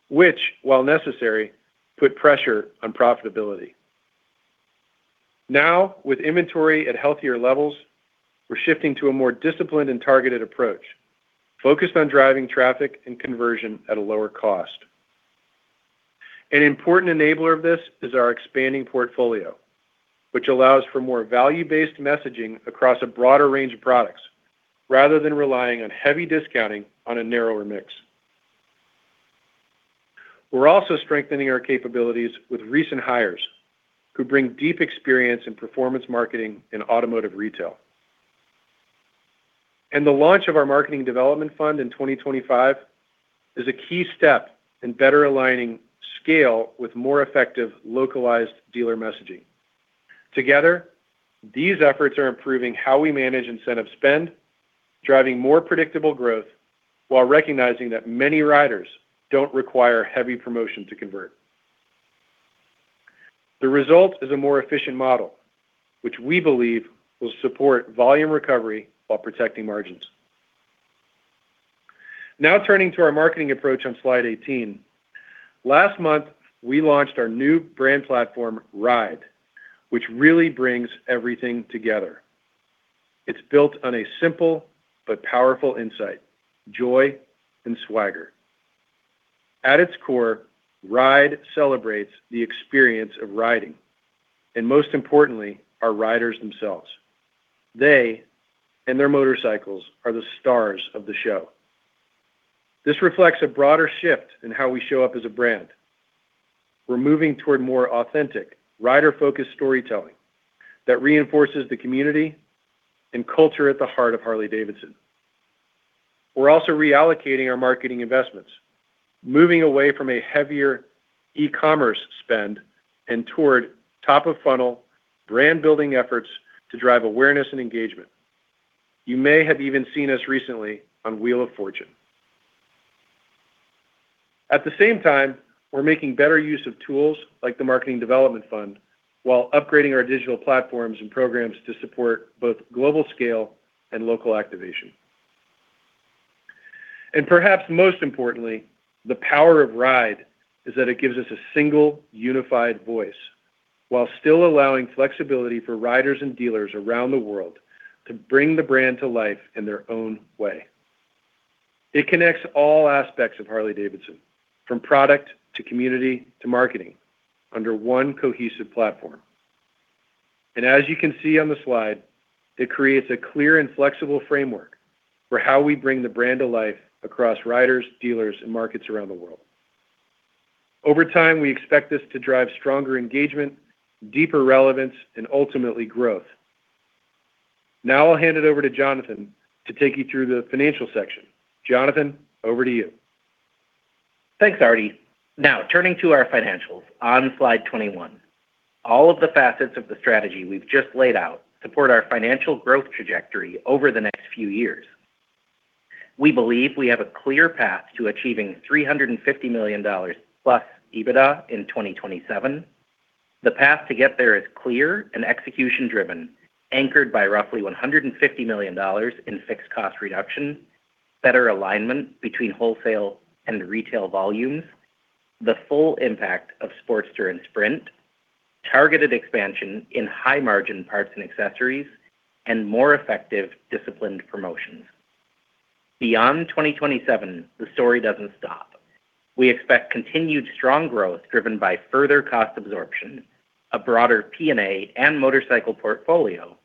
which, while necessary, put pressure on profitability. With inventory at healthier levels, we're shifting to a more disciplined and targeted approach focused on driving traffic and conversion at a lower cost. An important enabler of this is our expanding portfolio, which allows for more value-based messaging across a broader range of products rather than relying on heavy discounting on a narrower mix. We're also strengthening our capabilities with recent hires who bring deep experience in performance marketing and automotive retail. The launch of our Marketing Development Fund in 2025 is a key step in better aligning scale with more effective localized dealer messaging. Together, these efforts are improving how we manage incentive spend, driving more predictable growth while recognizing that many riders don't require heavy promotion to convert. The result is a more efficient model, which we believe will support volume recovery while protecting margins. Turning to our marketing approach on slide 18. Last month, we launched our new brand platform, RIDE, which really brings everything together. It's built on a simple but powerful insight, joy and swagger. At its core, RIDE celebrates the experience of riding, and most importantly, our riders themselves. They and their motorcycles are the stars of the show. This reflects a broader shift in how we show up as a brand. We're moving toward more authentic, rider-focused storytelling that reinforces the community and culture at the heart of Harley-Davidson. We're also reallocating our marketing investments, moving away from a heavier e-commerce spend and toward top-of-funnel brand-building efforts to drive awareness and engagement. You may have even seen us recently on Wheel of Fortune. At the same time, we're making better use of tools like the Marketing Development Fund while upgrading our digital platforms and programs to support both global scale and local activation. Perhaps most importantly, the power of RIDE is that it gives us a single unified voice while still allowing flexibility for riders and dealers around the world to bring the brand to life in their own way. It connects all aspects of Harley-Davidson, from product to community to marketing, under one cohesive platform. As you can see on the slide, it creates a clear and flexible framework for how we bring the brand to life across riders, dealers, and markets around the world. Over time, we expect this to drive stronger engagement, deeper relevance, and ultimately growth. Now I'll hand it over to Jonathan to take you through the financial section. Jonathan, over to you. Thanks, Artie. Turning to our financials on slide 21. All of the facets of the strategy we've just laid out support our financial growth trajectory over the next few years. We believe we have a clear path to achieving $350 million+ EBITDA in 2027. The path to get there is clear and execution-driven, anchored by roughly $150 million in fixed cost reduction, better alignment between wholesale and retail volumes, the full impact of Sportster and Sprint, targeted expansion in high-margin parts and accessories, and more effective, disciplined promotions. Beyond 2027, the story doesn't stop. We expect continued strong growth driven by further cost absorption, a broader P&A and motorcycle portfolio,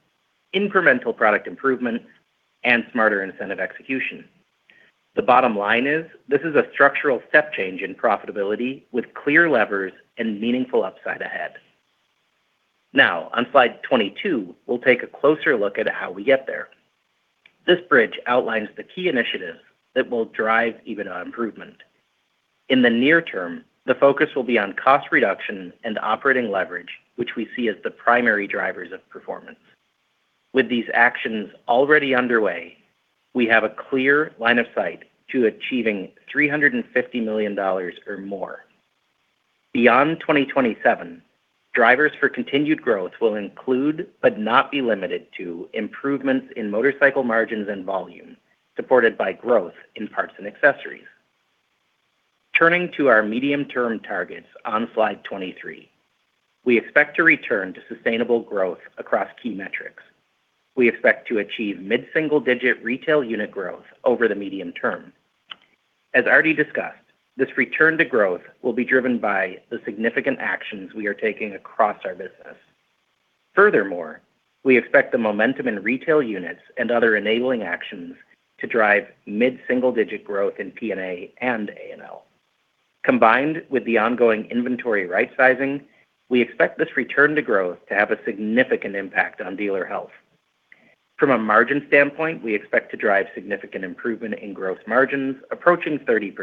incremental product improvements, and smarter incentive execution. The bottom line is this is a structural step change in profitability with clear levers and meaningful upside ahead. Now on slide 22, we'll take a closer look at how we get there. This bridge outlines the key initiatives that will drive EBITDA improvement. In the near term, the focus will be on cost reduction and operating leverage, which we see as the primary drivers of performance. With these actions already underway, we have a clear line of sight to achieving $350 million or more. Beyond 2027, drivers for continued growth will include, but not be limited to, improvements in motorcycle margins and volume, supported by growth in Parts & Accessories. Turning to our medium-term targets on slide 23, we expect to return to sustainable growth across key metrics. We expect to achieve mid-single-digit retail unit growth over the medium term. As already discussed, this return to growth will be driven by the significant actions we are taking across our business. We expect the momentum in retail units and other enabling actions to drive mid-single-digit growth in P&A and A&L. Combined with the ongoing inventory right sizing, we expect this return to growth to have a significant impact on dealer health. From a margin standpoint, we expect to drive significant improvement in growth margins approaching 30%,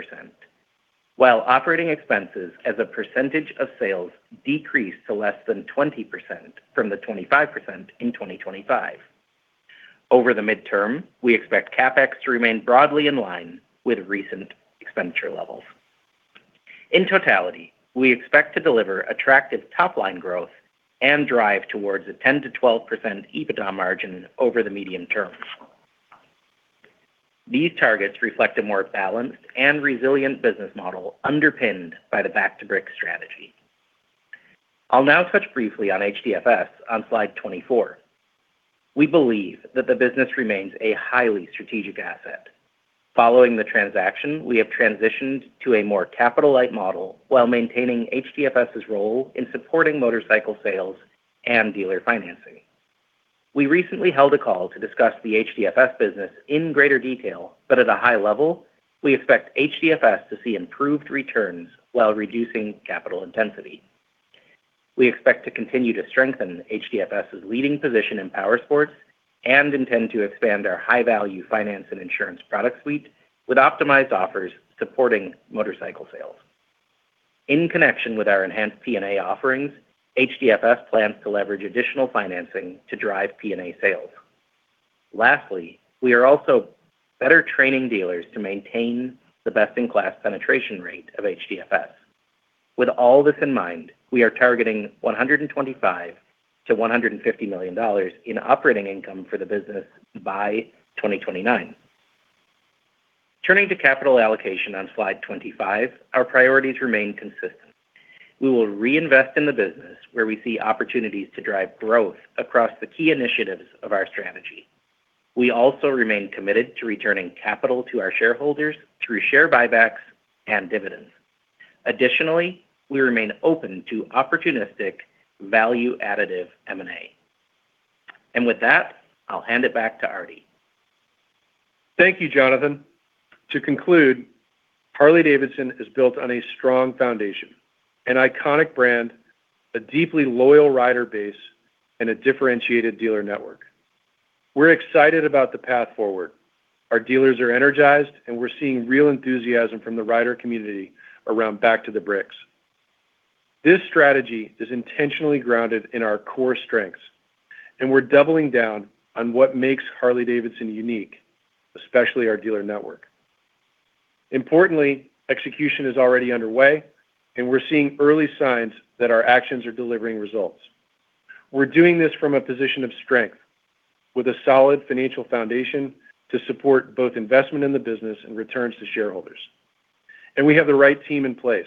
while operating expenses as a percentage of sales decrease to less than 20% from the 25% in 2025. Over the midterm, we expect CapEx to remain broadly in line with recent expenditure levels. In totality, we expect to deliver attractive top-line growth and drive towards a 10%-12% EBITDA margin over the medium term. These targets reflect a more balanced and resilient business model underpinned by the Back to the Bricks strategy. I'll now touch briefly on HDFS on slide 24. We believe that the business remains a highly strategic asset. Following the transaction, we have transitioned to a more capital-light model while maintaining HDFS's role in supporting motorcycle sales and dealer financing. We recently held a call to discuss the HDFS business in greater detail, but at a high level, we expect HDFS to see improved returns while reducing capital intensity. We expect to continue to strengthen HDFS's leading position in powersports and intend to expand our high-value finance and insurance product suite with optimized offers supporting motorcycle sales. In connection with our enhanced P&A offerings, HDFS plans to leverage additional financing to drive P&A sales. Lastly, we are also better training dealers to maintain the best-in-class penetration rate of HDFS. With all this in mind, we are targeting $125 million-$150 million in operating income for the business by 2029. Turning to capital allocation on slide 25, our priorities remain consistent. We will reinvest in the business where we see opportunities to drive growth across the key initiatives of our strategy. We also remain committed to returning capital to our shareholders through share buybacks and dividends. Additionally, we remain open to opportunistic value-additive M&A. With that, I'll hand it back to Artie Starrs. Thank you, Jonathan. To conclude, Harley-Davidson is built on a strong foundation, an iconic brand, a deeply loyal rider base, and a differentiated dealer network. We're excited about the path forward. Our dealers are energized, and we're seeing real enthusiasm from the rider community around Back to the Bricks. This strategy is intentionally grounded in our core strengths, and we're doubling down on what makes Harley-Davidson unique, especially our dealer network. Importantly, execution is already underway, and we're seeing early signs that our actions are delivering results. We're doing this from a position of strength with a solid financial foundation to support both investment in the business and returns to shareholders. We have the right team in place,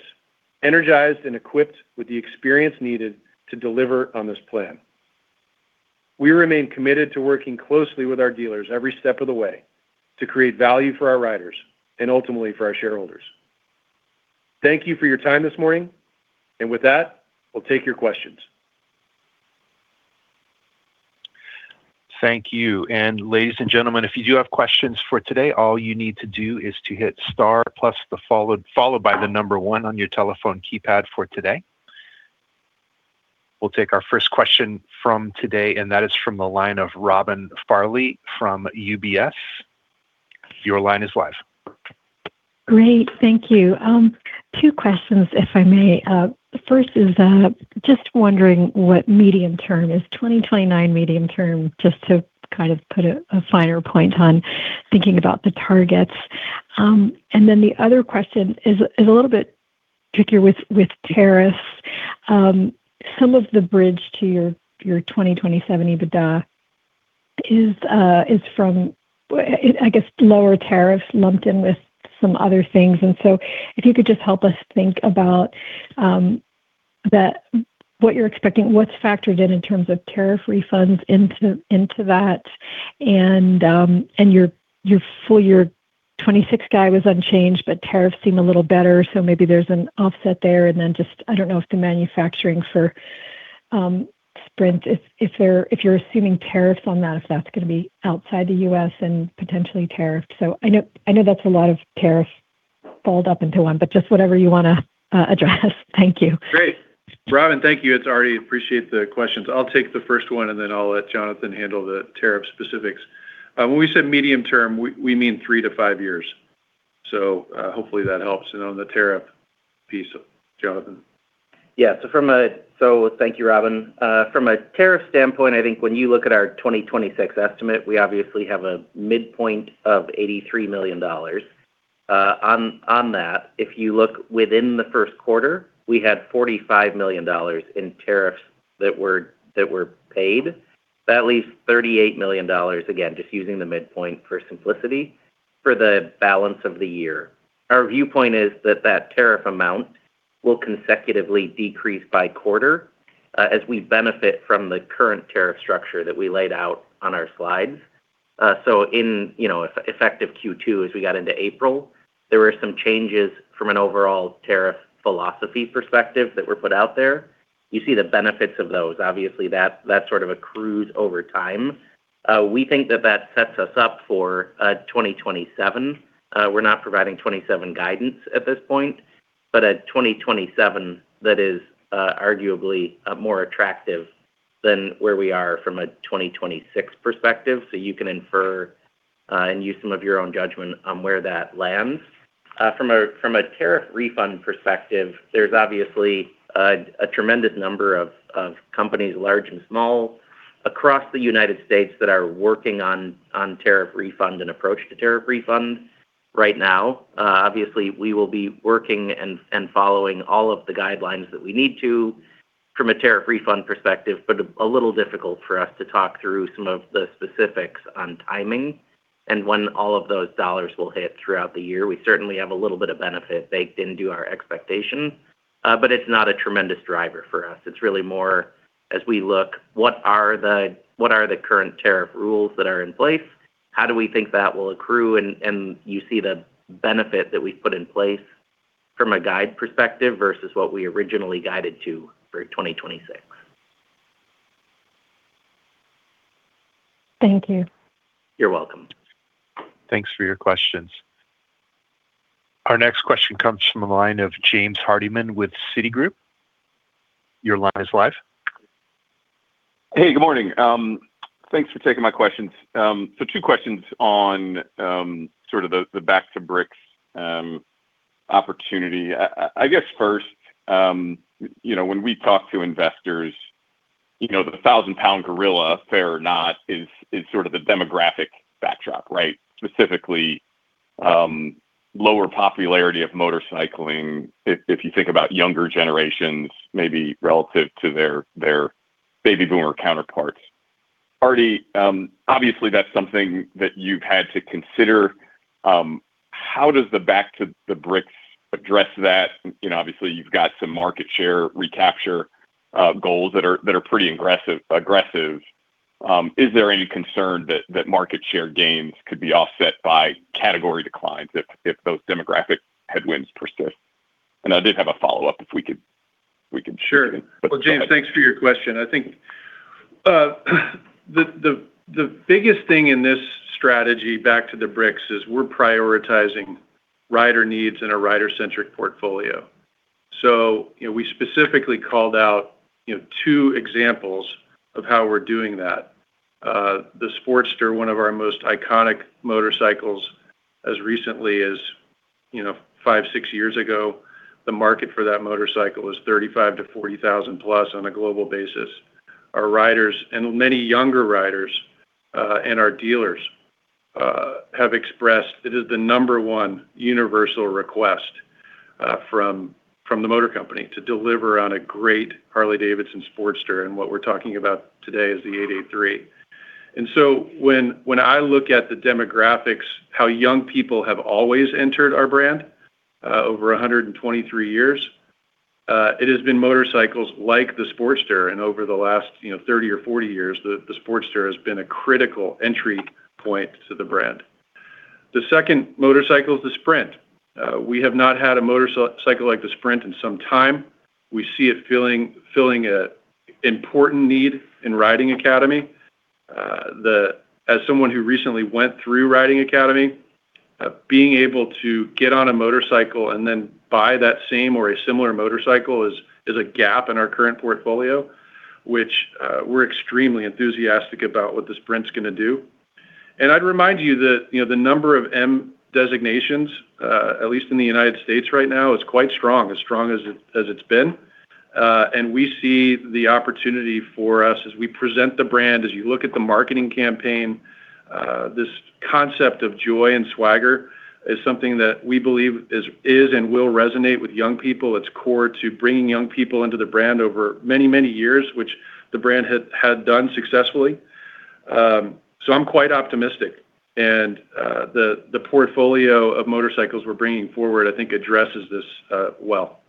energized and equipped with the experience needed to deliver on this plan. We remain committed to working closely with our dealers every step of the way to create value for our riders and ultimately for our shareholders. Thank you for your time this morning. With that, we'll take your questions. Thank you. Ladies and gentlemen, if you do have questions for today, all you need to do is to hit star plus the followed by one on your telephone keypad for today. We'll take our first question from today, that is from the line of Robin Farley from UBS. Your line is live. Great. Thank you. Two questions, if I may. First is, just wondering what medium term is. 2029 medium term, just to kind of put a finer point on thinking about the targets. The other question is a little bit trickier with tariffs. Some of the bridge to your 2027 EBITDA is from, I guess, lower tariffs lumped in with some other things. If you could just help us think about that what you're expecting, what's factored in in terms of tariff refunds into that and your full year 2026 guide was unchanged, but tariffs seem a little better, so maybe there's an offset there. Just, I don't know if the manufacturing for Sprint, if you're assuming tariffs on that, if that's gonna be outside the U.S. and potentially tariffed. I know that's a lot of tariffs balled up into one, but just whatever you wanna address. Thank you. Great. Robin, thank you. It's Artie. Appreciate the questions. I'll take the first one, then I'll let Jonathan handle the tariff specifics. When we say medium term, we mean 3-5 years. Hopefully that helps. On the tariff piece, Jonathan. Yeah. Thank you, Robin. From a tariff standpoint, I think when you look at our 2026 estimate, we obviously have a midpoint of $83 million. On that, if you look within the first quarter, we had $45 million in tariffs that were paid. That leaves $38 million, again, just using the midpoint for simplicity, for the balance of the year. Our viewpoint is that, that tariff amount will consecutively decrease by quarter, as we benefit from the current tariff structure that we laid out on our slides. You know, effective Q2, as we got into April, there were some changes from an overall tariff philosophy perspective that were put out there. You see the benefits of those. Obviously, that sort of accrues over time. We think that that sets us up for 2027. We're not providing 27 guidance at this point, but a 2027 that is arguably more attractive than where we are from a 2026 perspective. You can infer and use some of your own judgment on where that lands. From a tariff refund perspective, there's obviously a tremendous number of companies, large and small, across the United States that are working on tariff refund and approach to tariff refund right now. Obviously, we will be working and following all of the guidelines that we need to from a tariff refund perspective, but a little difficult for us to talk through some of the specifics on timing and when all of those dollars will hit throughout the year. We certainly have a little bit of benefit baked into our expectation, but it's not a tremendous driver for us. It's really more as we look, what are the current tariff rules that are in place? How do we think that will accrue? You see the benefit that we've put in place from a guide perspective versus what we originally guided to for 2026. Thank you. You're welcome. Thanks for your questions. Our next question comes from the line of James Hardiman with Citigroup. Your line is live. Good morning. Thanks for taking my questions. Two questions on sort of the Back to the Bricks opportunity. I guess first, you know, when we talk to investors. You know, the thousand-pound gorilla, fair or not, is sort of the demographic backdrop, right? Specifically, lower popularity of motorcycling if you think about younger generations, maybe relative to their baby boomer counterparts. Artie, obviously that's something that you've had to consider. How does the Back to the Bricks address that? You know, obviously you've got some market share recapture goals that are pretty aggressive. Is there any concern that market share gains could be offset by category declines if those demographic headwinds persist? I did have a follow-up if we could. Sure. Go ahead. Well, James, thanks for your question. I think the biggest thing in this strategy Back to the Bricks is we're prioritizing rider needs in a rider-centric portfolio. You know, we specifically called out, you know, two examples of how we're doing that. The Sportster, one of our most iconic motorcycles as recently as, you know, five, six years ago, the market for that motorcycle was $35,000-$40,000+ on a global basis. Our riders and many younger riders and our dealers have expressed it is the number one universal request from the Motor Company to deliver on a great Harley-Davidson Sportster, and what we're talking about today is the 883. When I look at the demographics, how young people have always entered our brand, over 123 years, it has been motorcycles like the Sportster, and over the last, you know, 30 or 40 years, the Sportster has been a critical entry point to the brand. The second motorcycle is the Sprint. We have not had a motorcycle like the Sprint in some time. We see it filling a important need in Riding Academy. As someone who recently went through Riding Academy, being able to get on a motorcycle and then buy that same or a similar motorcycle is a gap in our current portfolio, which we're extremely enthusiastic about what the Sprint's gonna do. I'd remind you that, you know, the number of M designations, at least in the United States right now, is quite strong, as strong as it's been. We see the opportunity for us as we present the brand, as you look at the marketing campaign, this concept of joy and swagger is something that we believe is and will resonate with young people. It's core to bringing young people into the brand over many, many years, which the brand had done successfully. I'm quite optimistic. The portfolio of motorcycles we're bringing forward I think addresses this well.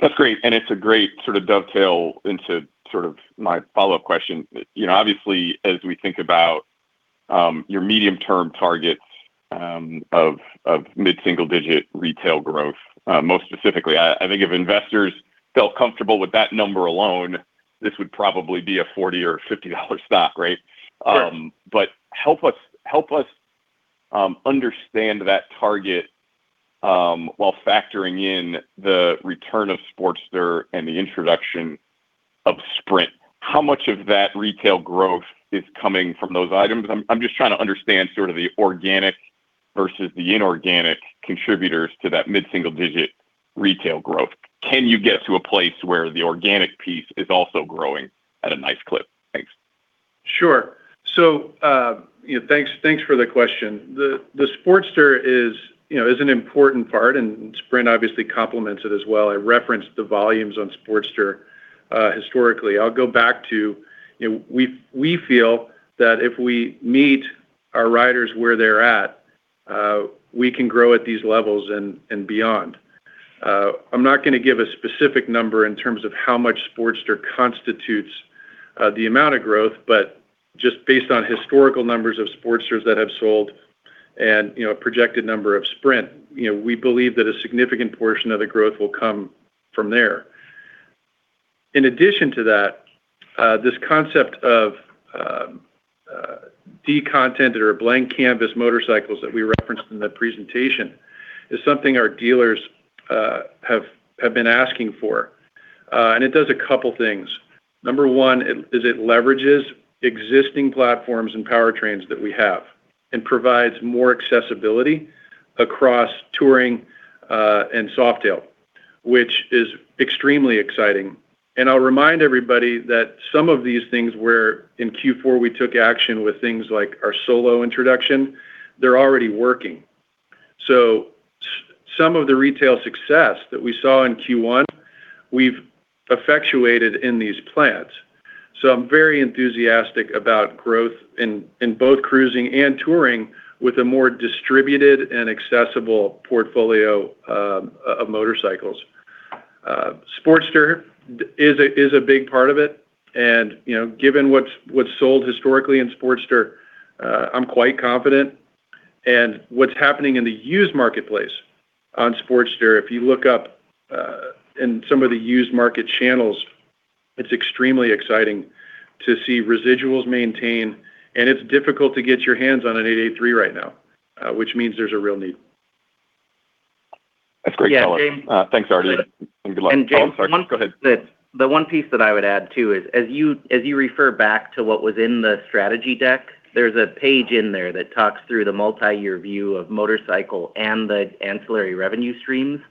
That's great. It's a great sort of dovetail into sort of my follow-up question. You know, obviously, as we think about your medium-term targets of mid-single digit retail growth, most specifically, I think if investors felt comfortable with that number alone, this would probably be a $40 or $50 stock, right? Sure. Help us understand that target while factoring in the return of Sportster and the introduction of Sprint. How much of that retail growth is coming from those items? I'm just trying to understand sort of the organic versus the inorganic contributors to that mid-single digit retail growth. Can you get to a place where the organic piece is also growing at a nice clip? Thanks. Sure. You know, thanks for the question. The Sportster is, you know, is an important part, and Sprint obviously complements it as well. I referenced the volumes on Sportster historically. I'll go back to, you know, we feel that if we meet our riders where they're at, we can grow at these levels and beyond. I'm not gonna give a specific number in terms of how much Sportster constitutes the amount of growth but just based on historical numbers of Sportsters that have sold and, you know, projected number of Sprint, you know, we believe that a significant portion of the growth will come from there. In addition to that, this concept of decontented or blank canvas motorcycles that we referenced in the presentation is something our dealers have been asking for. It does a couple things. Number one is it leverages existing platforms and powertrains that we have and provides more accessibility across Touring and Softail, which is extremely exciting. I'll remind everybody that some of these things where in Q4 we took action with things like our Solo introduction, they're already working. Some of the retail success that we saw in Q1, we've effectuated in these plans. I'm very enthusiastic about growth in both cruising and Touring with a more distributed and accessible portfolio of motorcycles. Sportster is a big part of it. You know, given what's sold historically in Sportster, I'm quite confident. What's happening in the used marketplace on Sportster, if you look up in some of the used market channels, it's extremely exciting to see residuals maintain, and it's difficult to get your hands on an 883 right now, which means there's a real need. That's great color. Yeah, James. Thanks, Artie, and good luck. And James- Oh, sorry. Go ahead. The one piece that I would add too is, as you, as you refer back to what was in the strategy deck, there's a page in there that talks through the multi-year view of motorcycle and the ancillary revenue streams.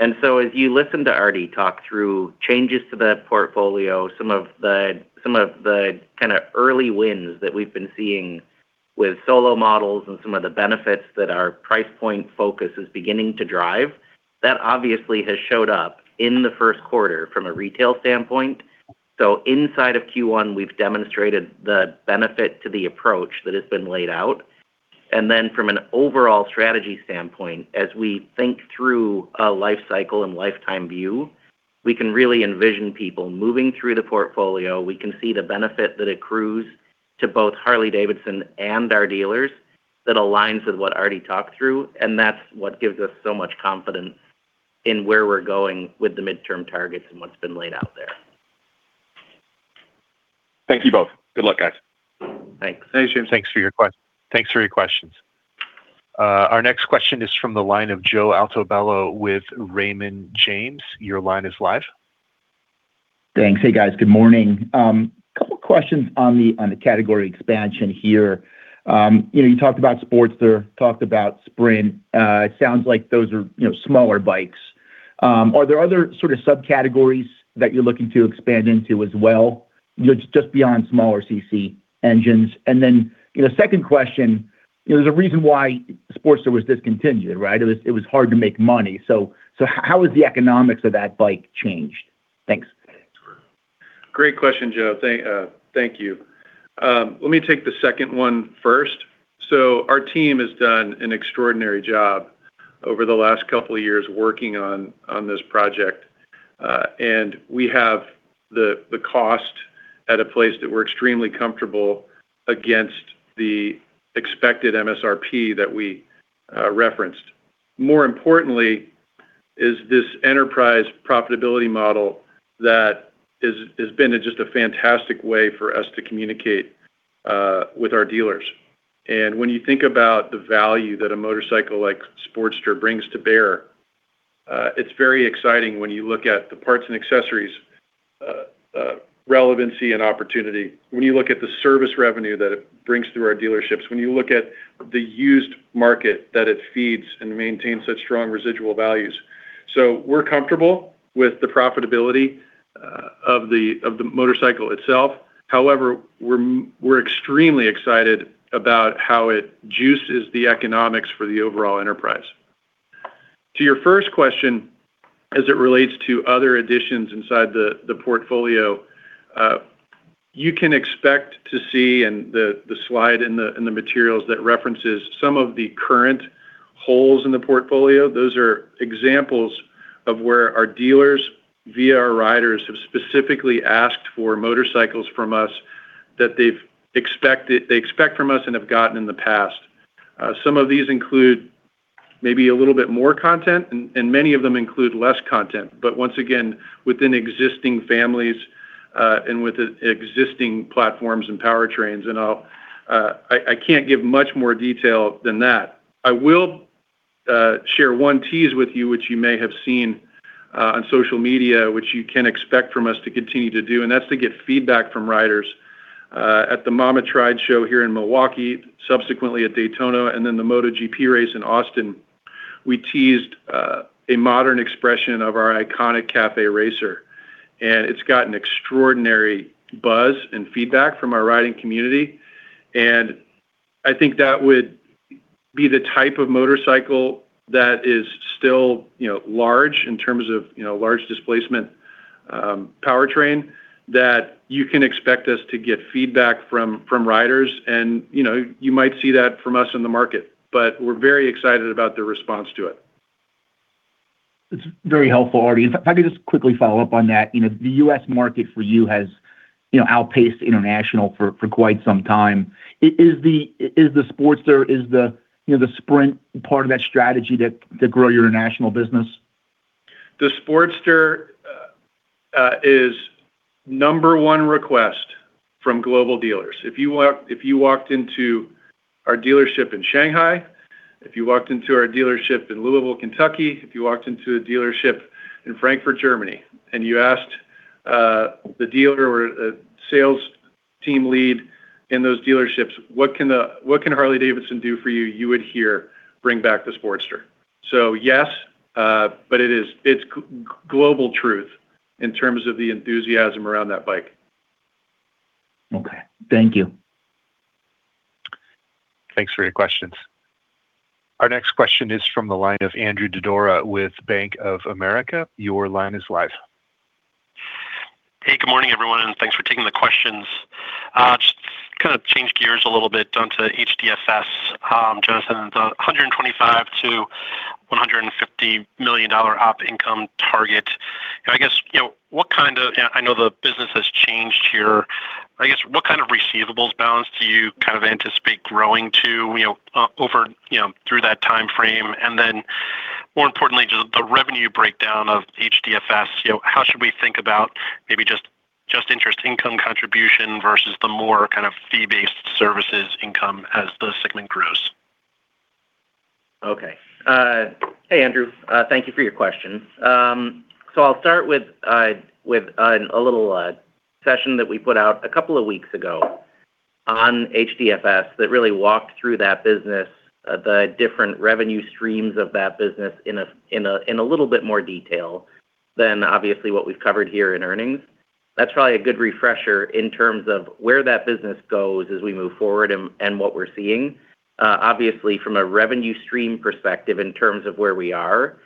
As you listen to Artie talk through changes to the portfolio, some of the, some of the kind of early wins that we've been seeing with Solo models and some of the benefits that our price point focus is beginning to drive, that obviously has showed up in the 1st quarter from a retail standpoint. Inside of Q1, we've demonstrated the benefit to the approach that has been laid out. From an overall strategy standpoint, as we think through a life cycle and lifetime view, we can really envision people moving through the portfolio. We can see the benefit that accrues to both Harley-Davidson and our dealers that aligns with what Artie talked through, and that's what gives us so much confidence in where we're going with the midterm targets and what's been laid out there. Thank you both. Good luck, guys. Thanks. Thanks, James. Thanks for your questions. Our next question is from the line of Joe Altobello with Raymond James. Your line is live. Thanks. Hey, guys. Good morning. Couple questions on the category expansion here. You know, you talked about Sportster, talked about Sprint. It sounds like those are, you know, smaller bikes. Are there other sort of subcategories that you're looking to expand into as well, you know, just beyond smaller CC engines? You know, second question, there's a reason why Sportster was discontinued, right? It was hard to make money. How has the economics of that bike changed? Thanks. Great question, Joe. Thank you. Let me take the second one first. Our team has done an extraordinary job over the last couple of years working on this project. And we have the cost at a place that we're extremely comfortable against the expected MSRP that we referenced. More importantly is this enterprise profitability model that has been just a fantastic way for us to communicate with our dealers. When you think about the value that a motorcycle like Sportster brings to bear, it's very exciting when you look at the Parts & Accessories relevancy and opportunity, when you look at the service revenue that it brings through our dealerships, when you look at the used market that it feeds and maintains such strong residual values. We're comfortable with the profitability of the motorcycle itself. However, we're extremely excited about how it juices the economics for the overall enterprise. To your first question, as it relates to other additions inside the portfolio, you can expect to see, and the slide in the materials that references some of the current holes in the portfolio, those are examples of where our dealers via our riders have specifically asked for motorcycles from us that they expect from us and have gotten in the past. Some of these include maybe a little bit more content and many of them include less content. Once again, within existing families and with existing platforms and powertrains, I can't give much more detail than that. I will share one tease with you, which you may have seen on social media, which you can expect from us to continue to do, and that's to get feedback from riders. At the Mama Tried Motorcycle Show here in Milwaukee, subsequently at Daytona, and then the MotoGP race in Austin, we teased a modern expression of our iconic Café Racer, and it's gotten extraordinary buzz and feedback from our riding community. I think that would be the type of motorcycle that is still, you know, large in terms of, you know, large displacement powertrain that you can expect us to get feedback from riders and, you know, you might see that from us in the market. We're very excited about the response to it. It's very helpful, Artie. If I could just quickly follow up on that. You know, the U.S. market for you has, you know, outpaced international for quite some time. Is the Sportster, is the, you know, the Sprint part of that strategy to grow your international business? The Sportster is number one request from global dealers. If you walked into our dealership in Shanghai, if you walked into our dealership in Louisville, Kentucky, if you walked into a dealership in Frankfurt, Germany, and you asked the dealer or a sales team lead in those dealerships, "What can Harley-Davidson do for you?" You would hear, "Bring back the Sportster." Yes, but it is, it's global truth in terms of the enthusiasm around that bike. Okay. Thank you. Thanks for your questions. Our next question is from the line of Andrew Didora with Bank of America. Your line is live. Hey, good morning, everyone, and thanks for taking the questions. Just kind of change gears a little bit onto HDFS. Jonathan, the $125 million-$150 million op income target. You know, I guess, you know, what kind of I know the business has changed here. I guess, what kind of receivables balance do you kind of anticipate growing to, you know, over, you know, through that timeframe? More importantly, just the revenue breakdown of HDFS. You know, how should we think about maybe just interest income contribution versus the more kind of fee-based services income as the segment grows? Okay. Hey, Andrew. Thank you for your questions. I'll start with a little session that we put out a couple of weeks ago on HDFS that really walked through that business, the different revenue streams of that business in a little bit more detail than obviously what we've covered here in earnings. That's probably a good refresher in terms of where that business goes as we move forward and what we're seeing. Obviously from a revenue stream perspective in terms of where we are,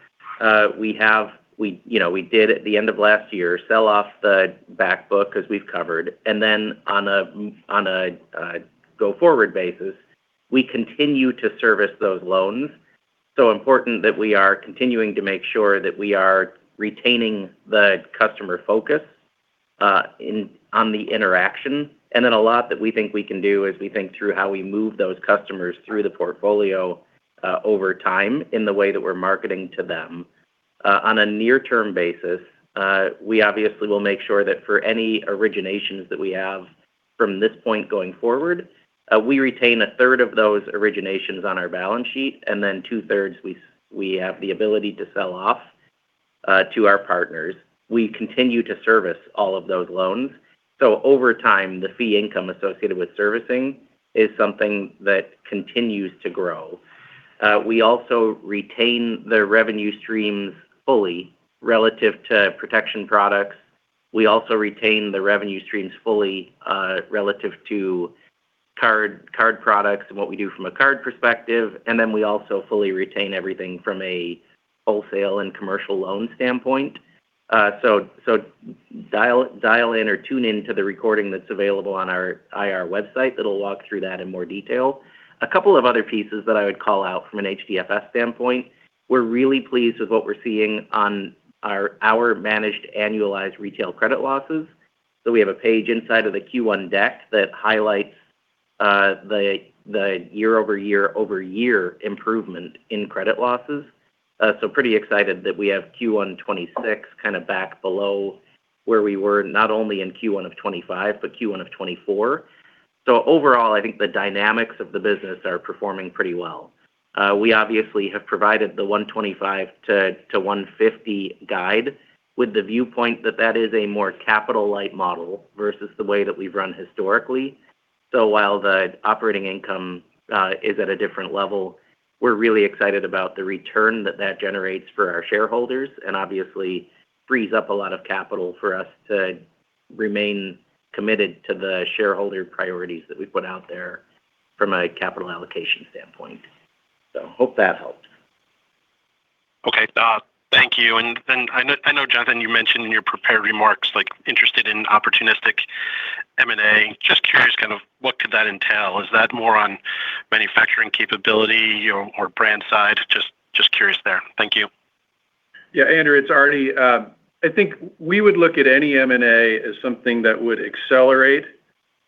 we have, you know, we did at the end of last year sell off the back book as we've covered. On a go-forward basis, we continue to service those loans, so important that we are continuing to make sure that we are retaining the customer focus on the interaction. A lot that we think we can do as we think through how we move those customers through the portfolio over time in the way that we're marketing to them. On a near-term basis, we obviously will make sure that for any originations that we have from this point going forward, we retain a third of those originations on our balance sheet, and then 2/3 we have the ability to sell off to our partners. We continue to service all of those loans. Over time, the fee income associated with servicing is something that continues to grow. We also retain the revenue streams fully relative to protection products. We also retain the revenue streams fully relative to card products and what we do from a card perspective. We also fully retain everything from a wholesale and commercial loan standpoint. Dial in or tune in to the recording that's available on our IR website that'll walk through that in more detail. A couple of other pieces that I would call out from an HDFS standpoint, we're really pleased with what we're seeing on our managed annualized retail credit losses. We have a page inside of the Q1 deck that highlights the year-over-year improvement in credit losses. Pretty excited that we have Q1 2026 kind of back below where we were not only in Q1 2025, but Q1 2024. Overall, I think the dynamics of the business are performing pretty well. We obviously have provided the $125 million-$150 million guide with the viewpoint that that is a more capital-light model versus the way that we've run historically. While the operating income is at a different level, we're really excited about the return that that generates for our shareholders and obviously frees up a lot of capital for us to remain committed to the shareholder priorities that we put out there from a capital allocation standpoint. Hope that helped. Okay. Thank you. Then I know, Jonathan, you mentioned in your prepared remarks, like, interested in opportunistic M&A. Just curious kind of what could that entail? Is that more on manufacturing capability or brand side? Just curious there. Thank you. Andrew, it's Artie. I think we would look at any M&A as something that would accelerate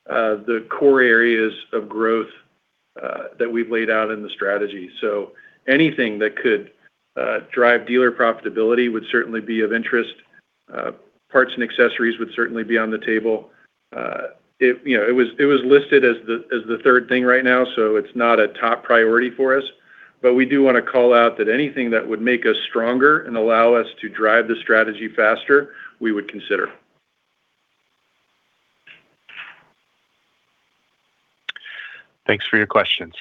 the core areas of growth that we've laid out in the strategy. Anything that could drive dealer profitability would certainly be of interest. Parts & Accessories would certainly be on the table. It was listed as the third thing right now, it's not a top priority for us. We do want to call out that anything that would make us stronger and allow us to drive the strategy faster, we would consider. Thanks for your questions.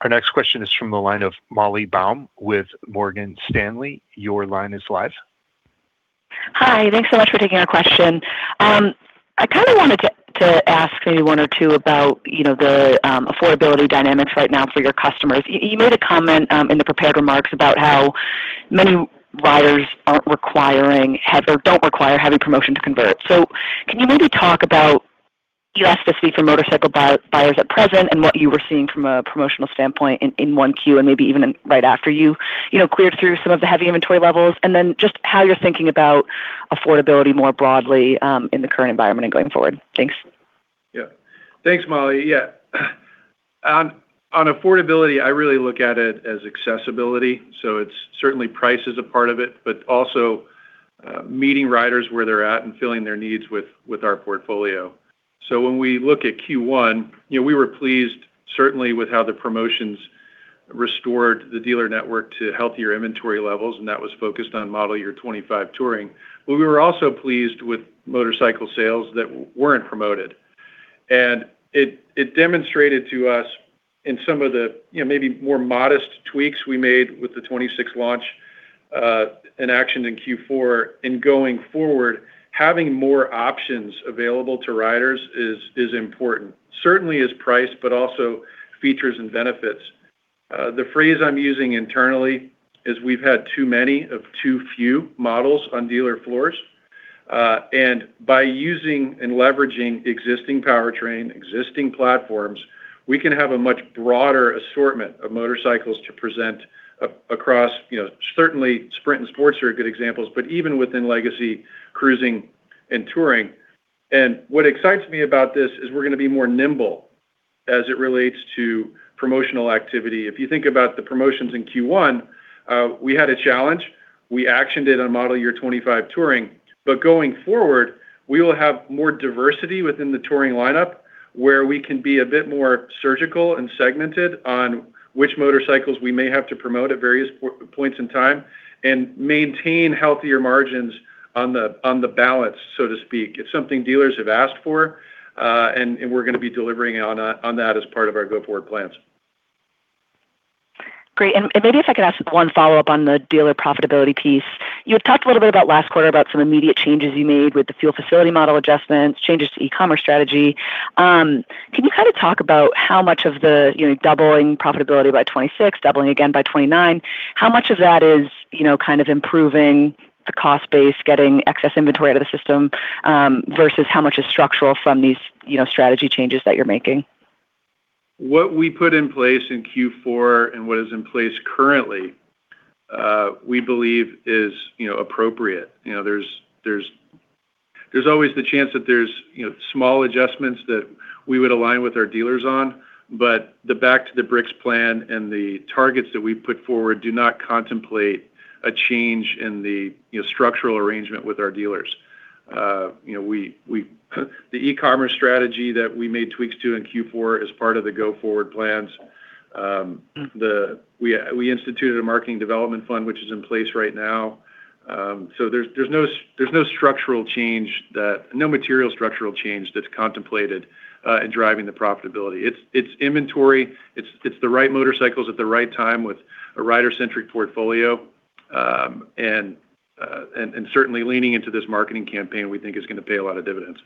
Our next question is from the line of Molly Baum with Morgan Stanley. Your line is live. Hi. Thanks so much for taking our question. I kinda wanted to ask maybe one or two about, you know, the affordability dynamics right now for your customers. You made a comment in the prepared remarks about how many riders aren't requiring heavy or don't require heavy promotion to convert. Can you maybe talk about U.S. specific for motorcycle buyers at present and what you were seeing from a promotional standpoint in 1Q and maybe even in right after you know, cleared through some of the heavy inventory levels? Just how you're thinking about affordability more broadly in the current environment and going forward. Thanks. Thanks, Molly. On affordability, I really look at it as accessibility, so it's certainly price is a part of it, but also meeting riders where they're at and filling their needs with our portfolio. When we look at Q1, you know, we were pleased certainly with how the promotions restored the dealer network to healthier inventory levels, and that was focused on model year 2025 Touring. We were also pleased with motorcycle sales that weren't promoted. It demonstrated to us in some of the, you know, maybe more modest tweaks we made with the 2026 launch and action in Q4 and going forward, having more options available to riders is important. Certainly is price, but also features and benefits. The phrase I'm using internally is we've had too many of too few models on dealer floors. By using and leveraging existing powertrain, existing platforms, we can have a much broader assortment of motorcycles to present, you know, certainly Sprint and Sportster are good examples, but even within legacy cruising and Touring. What excites me about this is we're gonna be more nimble as it relates to promotional activity. If you think about the promotions in Q1, we had a challenge. We actioned it on model year 2025 Touring. Going forward, we will have more diversity within the Touring lineup where we can be a bit more surgical and segmented on which motorcycles we may have to promote at various points in time and maintain healthier margins. It's something dealers have asked for, and we're gonna be delivering on that as part of our go-forward plans. Great. Maybe if I could ask one follow-up on the dealer profitability piece. You had talked a little bit about last quarter about some immediate changes you made with the fuel facility model adjustments, changes to e-commerce strategy. Can you kind of talk about how much of the, you know, doubling profitability by 2026, doubling again by 2029, how much of that is, you know, kind of improving the cost base, getting excess inventory out of the system, versus how much is structural from these, you know, strategy changes that you're making? What we put in place in Q4 and what is in place currently, we believe is, you know, appropriate. You know, there's always the chance that there's, you know, small adjustments that we would align with our dealers on. The Back to the Bricks plan and the targets that we've put forward do not contemplate a change in the, you know, structural arrangement with our dealers. You know, the e-commerce strategy that we made tweaks to in Q4 is part of the go-forward plans. The, we instituted a Marketing Development Fund which is in place right now. There's no structural change that, no material structural change that's contemplated in driving the profitability. It's inventory, it's the right motorcycles at the right time with a rider-centric portfolio. Certainly leaning into this marketing campaign, we think, is gonna pay a lot of dividends.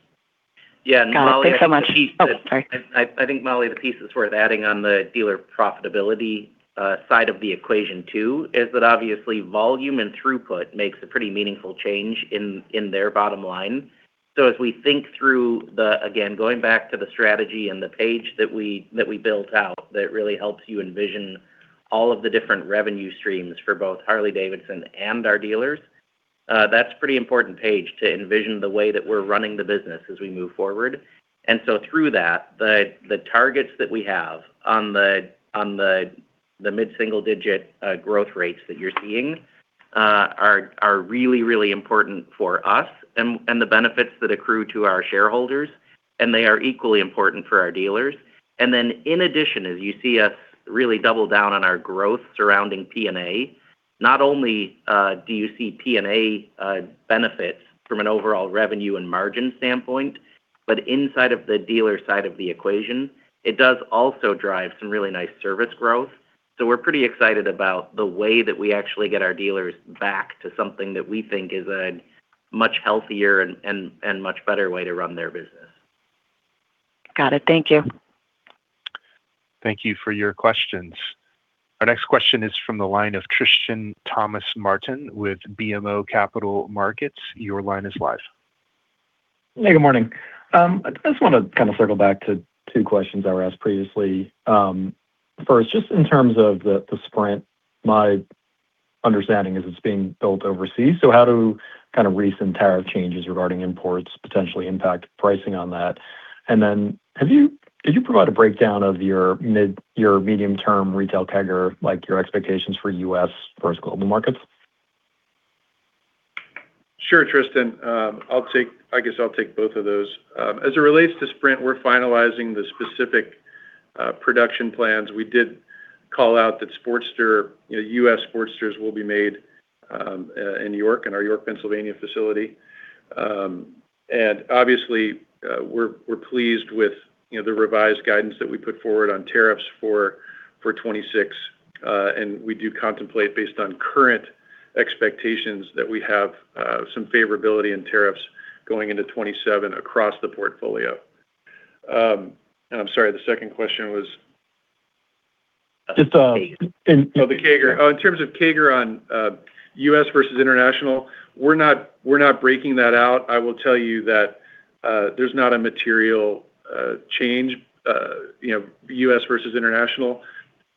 Got it. Thanks so much. Yeah, Molly. Oh, sorry. I think, Molly, the piece that's worth adding on the dealer profitability side of the equation too, is that obviously volume and throughput makes a pretty meaningful change in their bottom line. As we think through the again, going back to the strategy and the page that we built out, that really helps you envision all of the different revenue streams for both Harley-Davidson and our dealers, that's a pretty important page to envision the way that we're running the business as we move forward. Through that, the targets that we have on the mid-single digit growth rates that you're seeing are really important for us and the benefits that accrue to our shareholders, and they are equally important for our dealers. In addition, as you see us really double down on our growth surrounding P&A, not only do you see P&A benefits from an overall revenue and margin standpoint, but inside of the dealer side of the equation, it does also drive some really nice service growth. We're pretty excited about the way that we actually get our dealers back to something that we think is a much healthier and much better way to run their business. Got it. Thank you. Thank you for your questions. Our next question is from the line of Tristan Thomas-Martin with BMO Capital Markets. Your line is live. Hey, good morning. I just wanna kind of circle back to two questions that were asked previously. First, just in terms of the Sprint, my understanding is it's being built overseas, so how do kind of recent tariff changes regarding imports potentially impact pricing on that? Could you provide a breakdown of your medium-term retail CAGR, like your expectations for U.S. versus global markets? Sure, Tristan. I guess I'll take both of those. As it relates to Sprint, we're finalizing the specific production plans. We did call out that Sportster, you know, U.S. Sportsters will be made in York, in our York, Pennsylvania facility. Obviously, we're pleased with, you know, the revised guidance that we put forward on tariffs for 2026. We do contemplate, based on current expectations that we have some favorability in tariffs going into 2027 across the portfolio. I'm sorry, the second question was? Just. CAGR. The CAGR. In terms of CAGR on U.S. versus international, we're not breaking that out. I will tell you that there's not a material change, you know, U.S. versus international,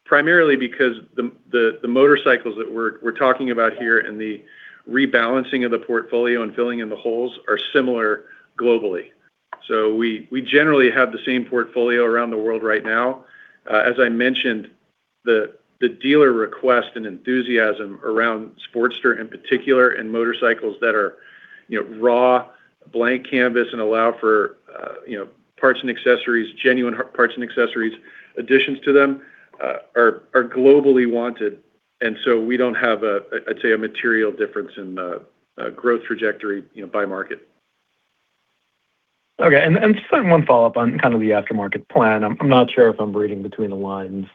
primarily because the motorcycles that we're talking about here and the rebalancing of the portfolio and filling in the holes are similar globally. We generally have the same portfolio around the world right now. As I mentioned, the dealer request and enthusiasm around Sportster in particular and motorcycles that are, you know, raw, blank canvas and allow for, you know, parts and accessories, genuine parts and accessories, additions to them, are globally wanted. We don't have a, I'd say a material difference in the growth trajectory, you know, by market. Okay. Just one follow-up on kind of the aftermarket plan. I'm not sure if I'm reading between the lines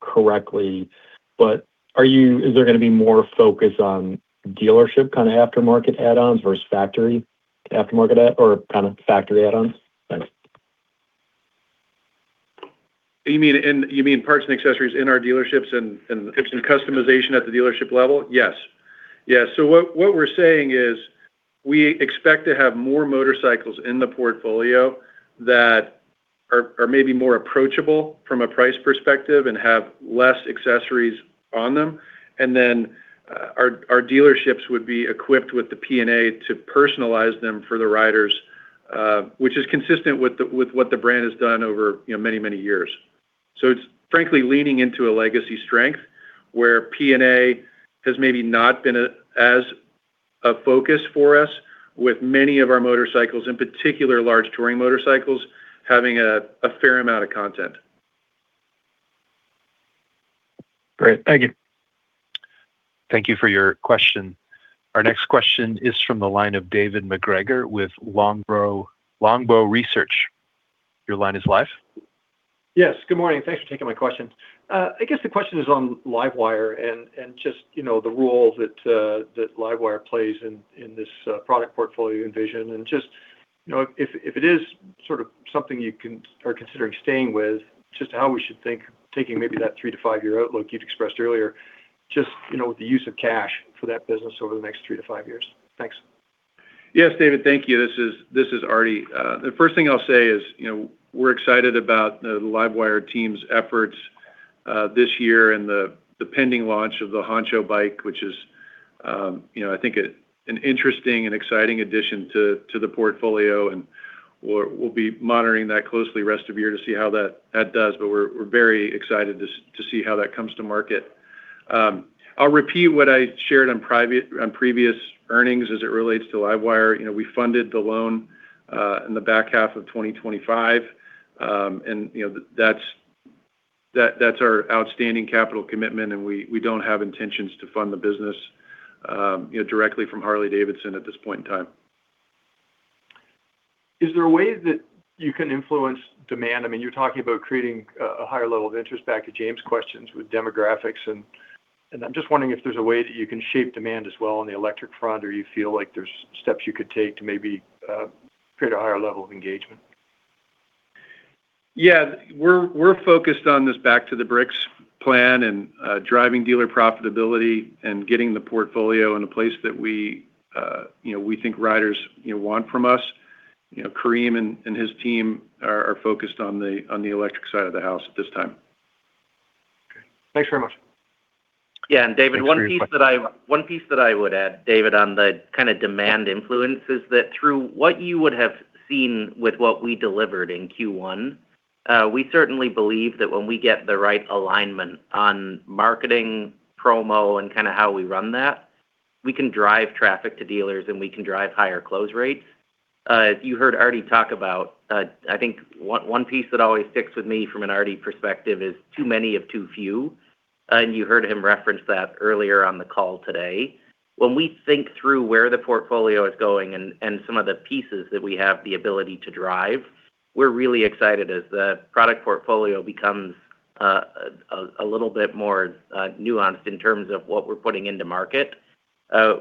correctly, but is there gonna be more focus on dealership kinda aftermarket add-ons versus kinda factory add-ons? Thanks. You mean parts and accessories in our dealerships and customization at the dealership level? Yes. What we're saying is we expect to have more motorcycles in the portfolio that are maybe more approachable from a price perspective and have less accessories on them. Our dealerships would be equipped with the P&A to personalize them for the riders, which is consistent with what the brand has done over, you know, many, many years. It's frankly leaning into a legacy strength where P&A has maybe not been as a focus for us with many of our motorcycles, in particular large Touring motorcycles, having a fair amount of content. Great. Thank you. Thank you for your question. Our next question is from the line of David MacGregor with Longbow Research. Your line is live. Yes, good morning. Thanks for taking my question. I guess the question is on LiveWire and just, you know, the role that LiveWire plays in this product portfolio envision. Just, you know, if it is sort of something you are considering staying with, just how we should think, taking maybe that 3-5 year outlook you'd expressed earlier, just, you know, with the use of cash for that business over the next 3-5 years. Thanks. Yes, David. Thank you. This is Artie. The first thing I'll say is, you know, we're excited about the LiveWire team's efforts this year and the pending launch of the Honcho bike, which is, you know, I think an interesting and exciting addition to the portfolio, and we'll be monitoring that closely rest of year to see how that does. We're very excited to see how that comes to market. I'll repeat what I shared on previous earnings as it relates to LiveWire. You know, we funded the loan in the back half of 2025. That's our outstanding capital commitment, and we don't have intentions to fund the business, you know, directly from Harley-Davidson at this point in time. Is there a way that you can influence demand? I mean, you're talking about creating a higher level of interest, back to James' questions, with demographics and I'm just wondering if there's a way that you can shape demand as well in the electric front, or you feel like there's steps you could take to maybe create a higher level of engagement? Yeah. We're focused on this Back to the Bricks plan and driving dealer profitability and getting the portfolio in a place that we, you know, we think riders, you know, want from us. You know, Karim and his team are focused on the electric side of the house at this time. Okay. Thanks very much. Thanks for your question. Yeah. David, one piece that I would add, David, on the kind of demand influence is that through what you would have seen with what we delivered in Q1, we certainly believe that when we get the right alignment on marketing promo and kinda how we run that, we can drive traffic to dealers, and we can drive higher close rates. You heard Artie talk about, I think one piece that always sticks with me from an Artie perspective is too many of too few, and you heard him reference that earlier on the call today. When we think through where the portfolio is going and some of the pieces that we have the ability to drive, we're really excited as the product portfolio becomes a little bit more nuanced in terms of what we're putting into market.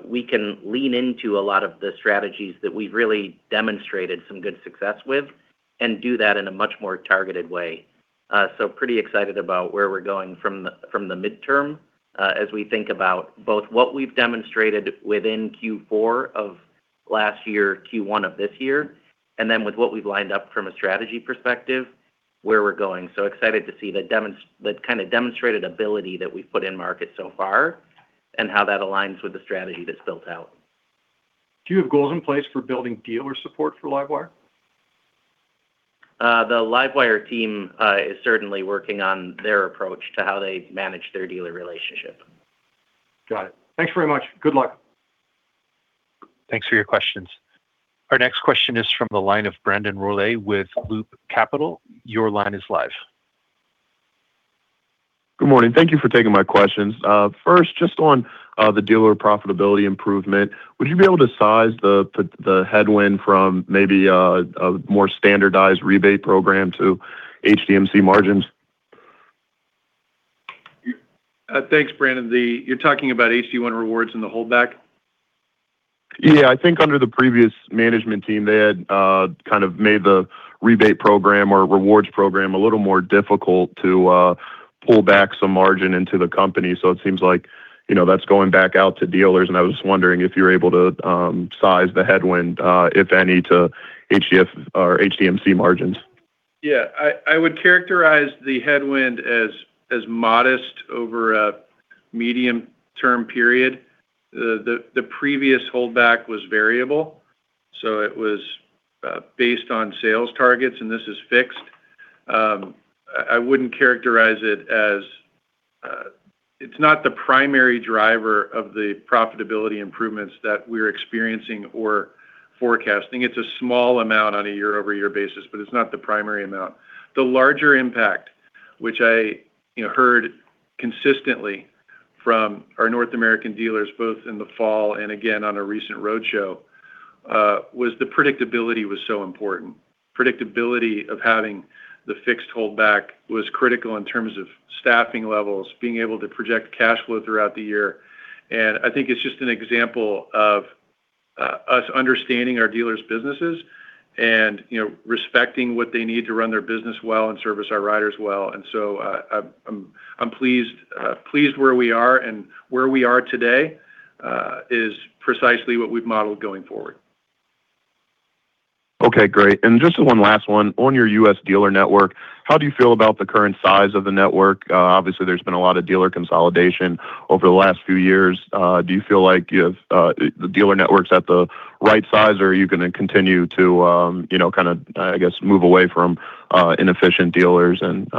We can lean into a lot of the strategies that we've really demonstrated some good success with and do that in a much more targeted way. Pretty excited about where we're going from the midterm as we think about both what we've demonstrated within Q4 of last year, Q1 of this year, and then with what we've lined up from a strategy perspective, where we're going. Excited to see the kind of demonstrated ability that we've put in market so far and how that aligns with the strategy that's built out. Do you have goals in place for building dealer support for LiveWire? The LiveWire team is certainly working on their approach to how they manage their dealer relationship. Got it. Thanks very much. Good luck. Thanks for your questions. Our next question is from the line of Brandon Rollé with Loop Capital. Your line is live. Good morning. Thank you for taking my questions. First, just on the dealer profitability improvement, would you be able to size the headwind from maybe a more standardized rebate program to HDMC margins? Thanks, Brandon. You're talking about H-D Membership and the holdback? Yeah. I think under the previous management team, they had kind of made the rebate program or rewards program a little more difficult to pull back some margin into the company. It seems like, you know, that's going back out to dealers, and I was just wondering if you're able to size the headwind, if any, to HDFS or HDMC margins. I would characterize the headwind as modest over a medium-term period. The previous holdback was variable, so it was based on sales targets, and this is fixed. I wouldn't characterize it as it's not the primary driver of the profitability improvements that we're experiencing or forecasting. It's a small amount on a year-over-year basis, but it's not the primary amount. The larger impact, which I, you know, heard consistently from our North American dealers both in the fall and again on a recent road show, was the predictability was so important. Predictability of having the fixed holdback was critical in terms of staffing levels, being able to project cash flow throughout the year, and I think it's just an example of us understanding our dealers' businesses and, you know, respecting what they need to run their business well and service our riders well. I'm pleased where we are, and where we are today, is precisely what we've modeled going forward. Okay, great. Just one last one. On your U.S. dealer network, how do you feel about the current size of the network? Obviously, there's been a lot of dealer consolidation over the last few years. Do you feel like you have the dealer network's at the right size, or are you gonna continue to, you know, kinda, I guess, move away from inefficient dealers and,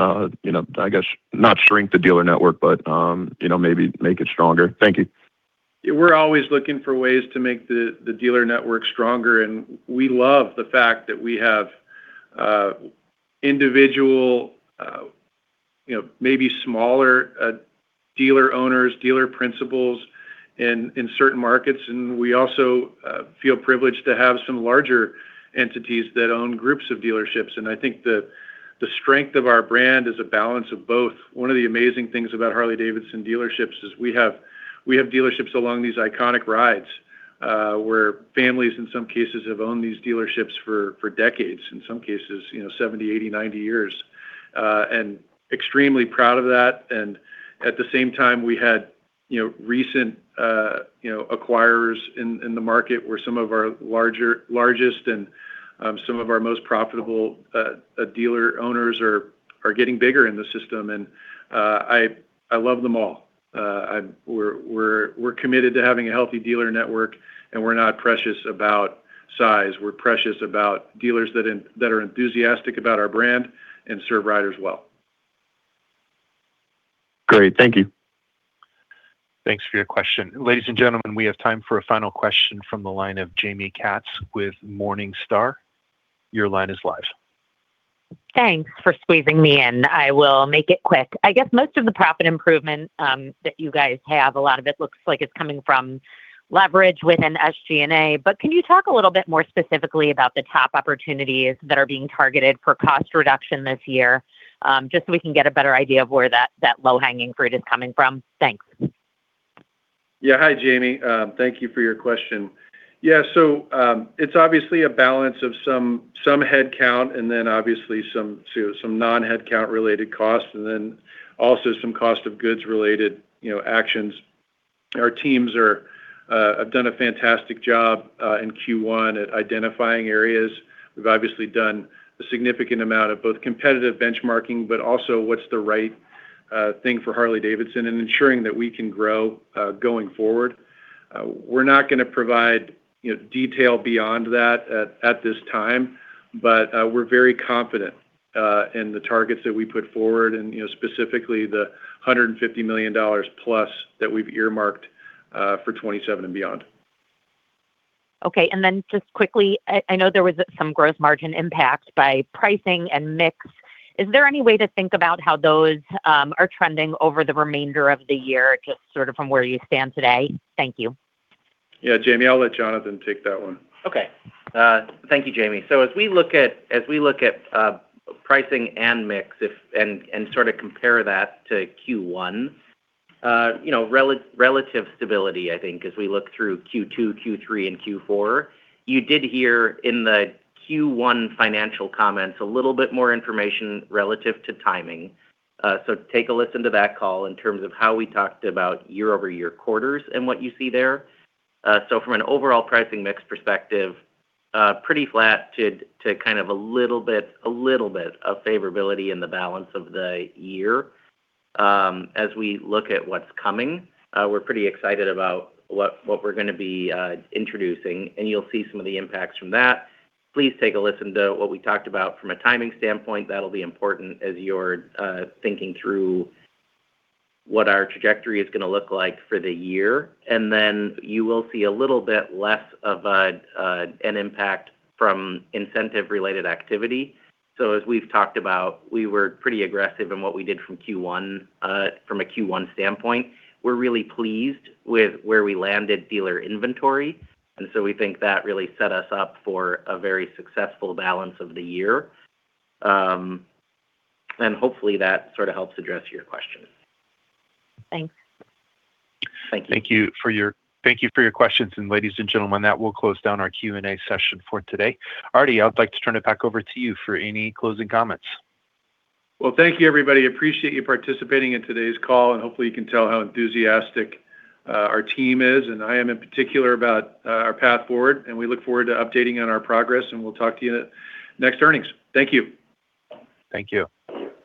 you know, I guess not shrink the dealer network, but, you know, maybe make it stronger? Thank you. We're always looking for ways to make the dealer network stronger, and we love the fact that we have individual, you know, maybe smaller, dealer owners, dealer principals in certain markets. We also feel privileged to have some larger entities that own groups of dealerships. I think the strength of our brand is a balance of both. One of the amazing things about Harley-Davidson dealerships is we have dealerships along these iconic rides, where families in some cases have owned these dealerships for decades, in some cases, you know, 70, 80, 90 years. Extremely proud of that. At the same time, we had, you know, recent acquirers in the market where some of our larger, largest and some of our most profitable dealer owners are getting bigger in the system. I love them all. We're committed to having a healthy dealer network, and we're not precious about size. We're precious about dealers that are enthusiastic about our brand and serve riders well. Great. Thank you. Thanks for your question. Ladies and gentlemen, we have time for a final question from the line of Jaime Katz with Morningstar. Your line is live. Thanks for squeezing me in. I will make it quick. I guess most of the profit improvement, that you guys have, a lot of it looks like it's coming from leverage within SG&A. Can you talk a little bit more specifically about the top opportunities that are being targeted for cost reduction this year? Just so we can get a better idea of where that low-hanging fruit is coming from. Thanks. Hi, Jaime. Thank you for your question. It's obviously a balance of some headcount and then obviously some non-headcount related costs and then also some cost of goods related, you know, actions. Our teams have done a fantastic job in Q1 at identifying areas. We've obviously done a significant amount of both competitive benchmarking, but also what's the right thing for Harley-Davidson and ensuring that we can grow going forward. We're not gonna provide, you know, detail beyond that at this time, but we're very confident in the targets that we put forward and, you know, specifically the $150 million plus that we've earmarked for 2027 and beyond. Okay. Just quickly, I know there was some gross margin impact by pricing and mix. Is there any way to think about how those are trending over the remainder of the year, just sort of from where you stand today? Thank you. Jaime, I'll let Jonathan take that one. Okay. Thank you, Jaime. As we look at pricing and mix, you know, relative stability, I think, as we look through Q2, Q3, and Q4. You did hear in the Q1 financial comments a little bit more information relative to timing. Take a listen to that call in terms of how we talked about year-over-year quarters and what you see there. From an overall pricing mix perspective, pretty flat to kind of a little bit of favorability in the balance of the year. As we look at what's coming, we're pretty excited about what we're gonna be introducing, and you'll see some of the impacts from that. Please take a listen to what we talked about from a timing standpoint. That'll be important as you're thinking through what our trajectory is gonna look like for the year. Then you will see a little bit less of an impact from incentive related activity. As we've talked about, we were pretty aggressive in what we did from Q1, from a Q1 standpoint. We're really pleased with where we landed dealer inventory. We think that really set us up for a very successful balance of the year. Hopefully that sort of helps address your question. Thanks. Thank you. Thank you for your questions. ladies and gentlemen, that will close down our Q&A session for today. Artie, I'd like to turn it back over to you for any closing comments. Well, thank you everybody. Appreciate you participating in today's call, and hopefully you can tell how enthusiastic our team is, and I am in particular about our path forward. We look forward to updating on our progress, and we'll talk to you at next earnings. Thank you. Thank you.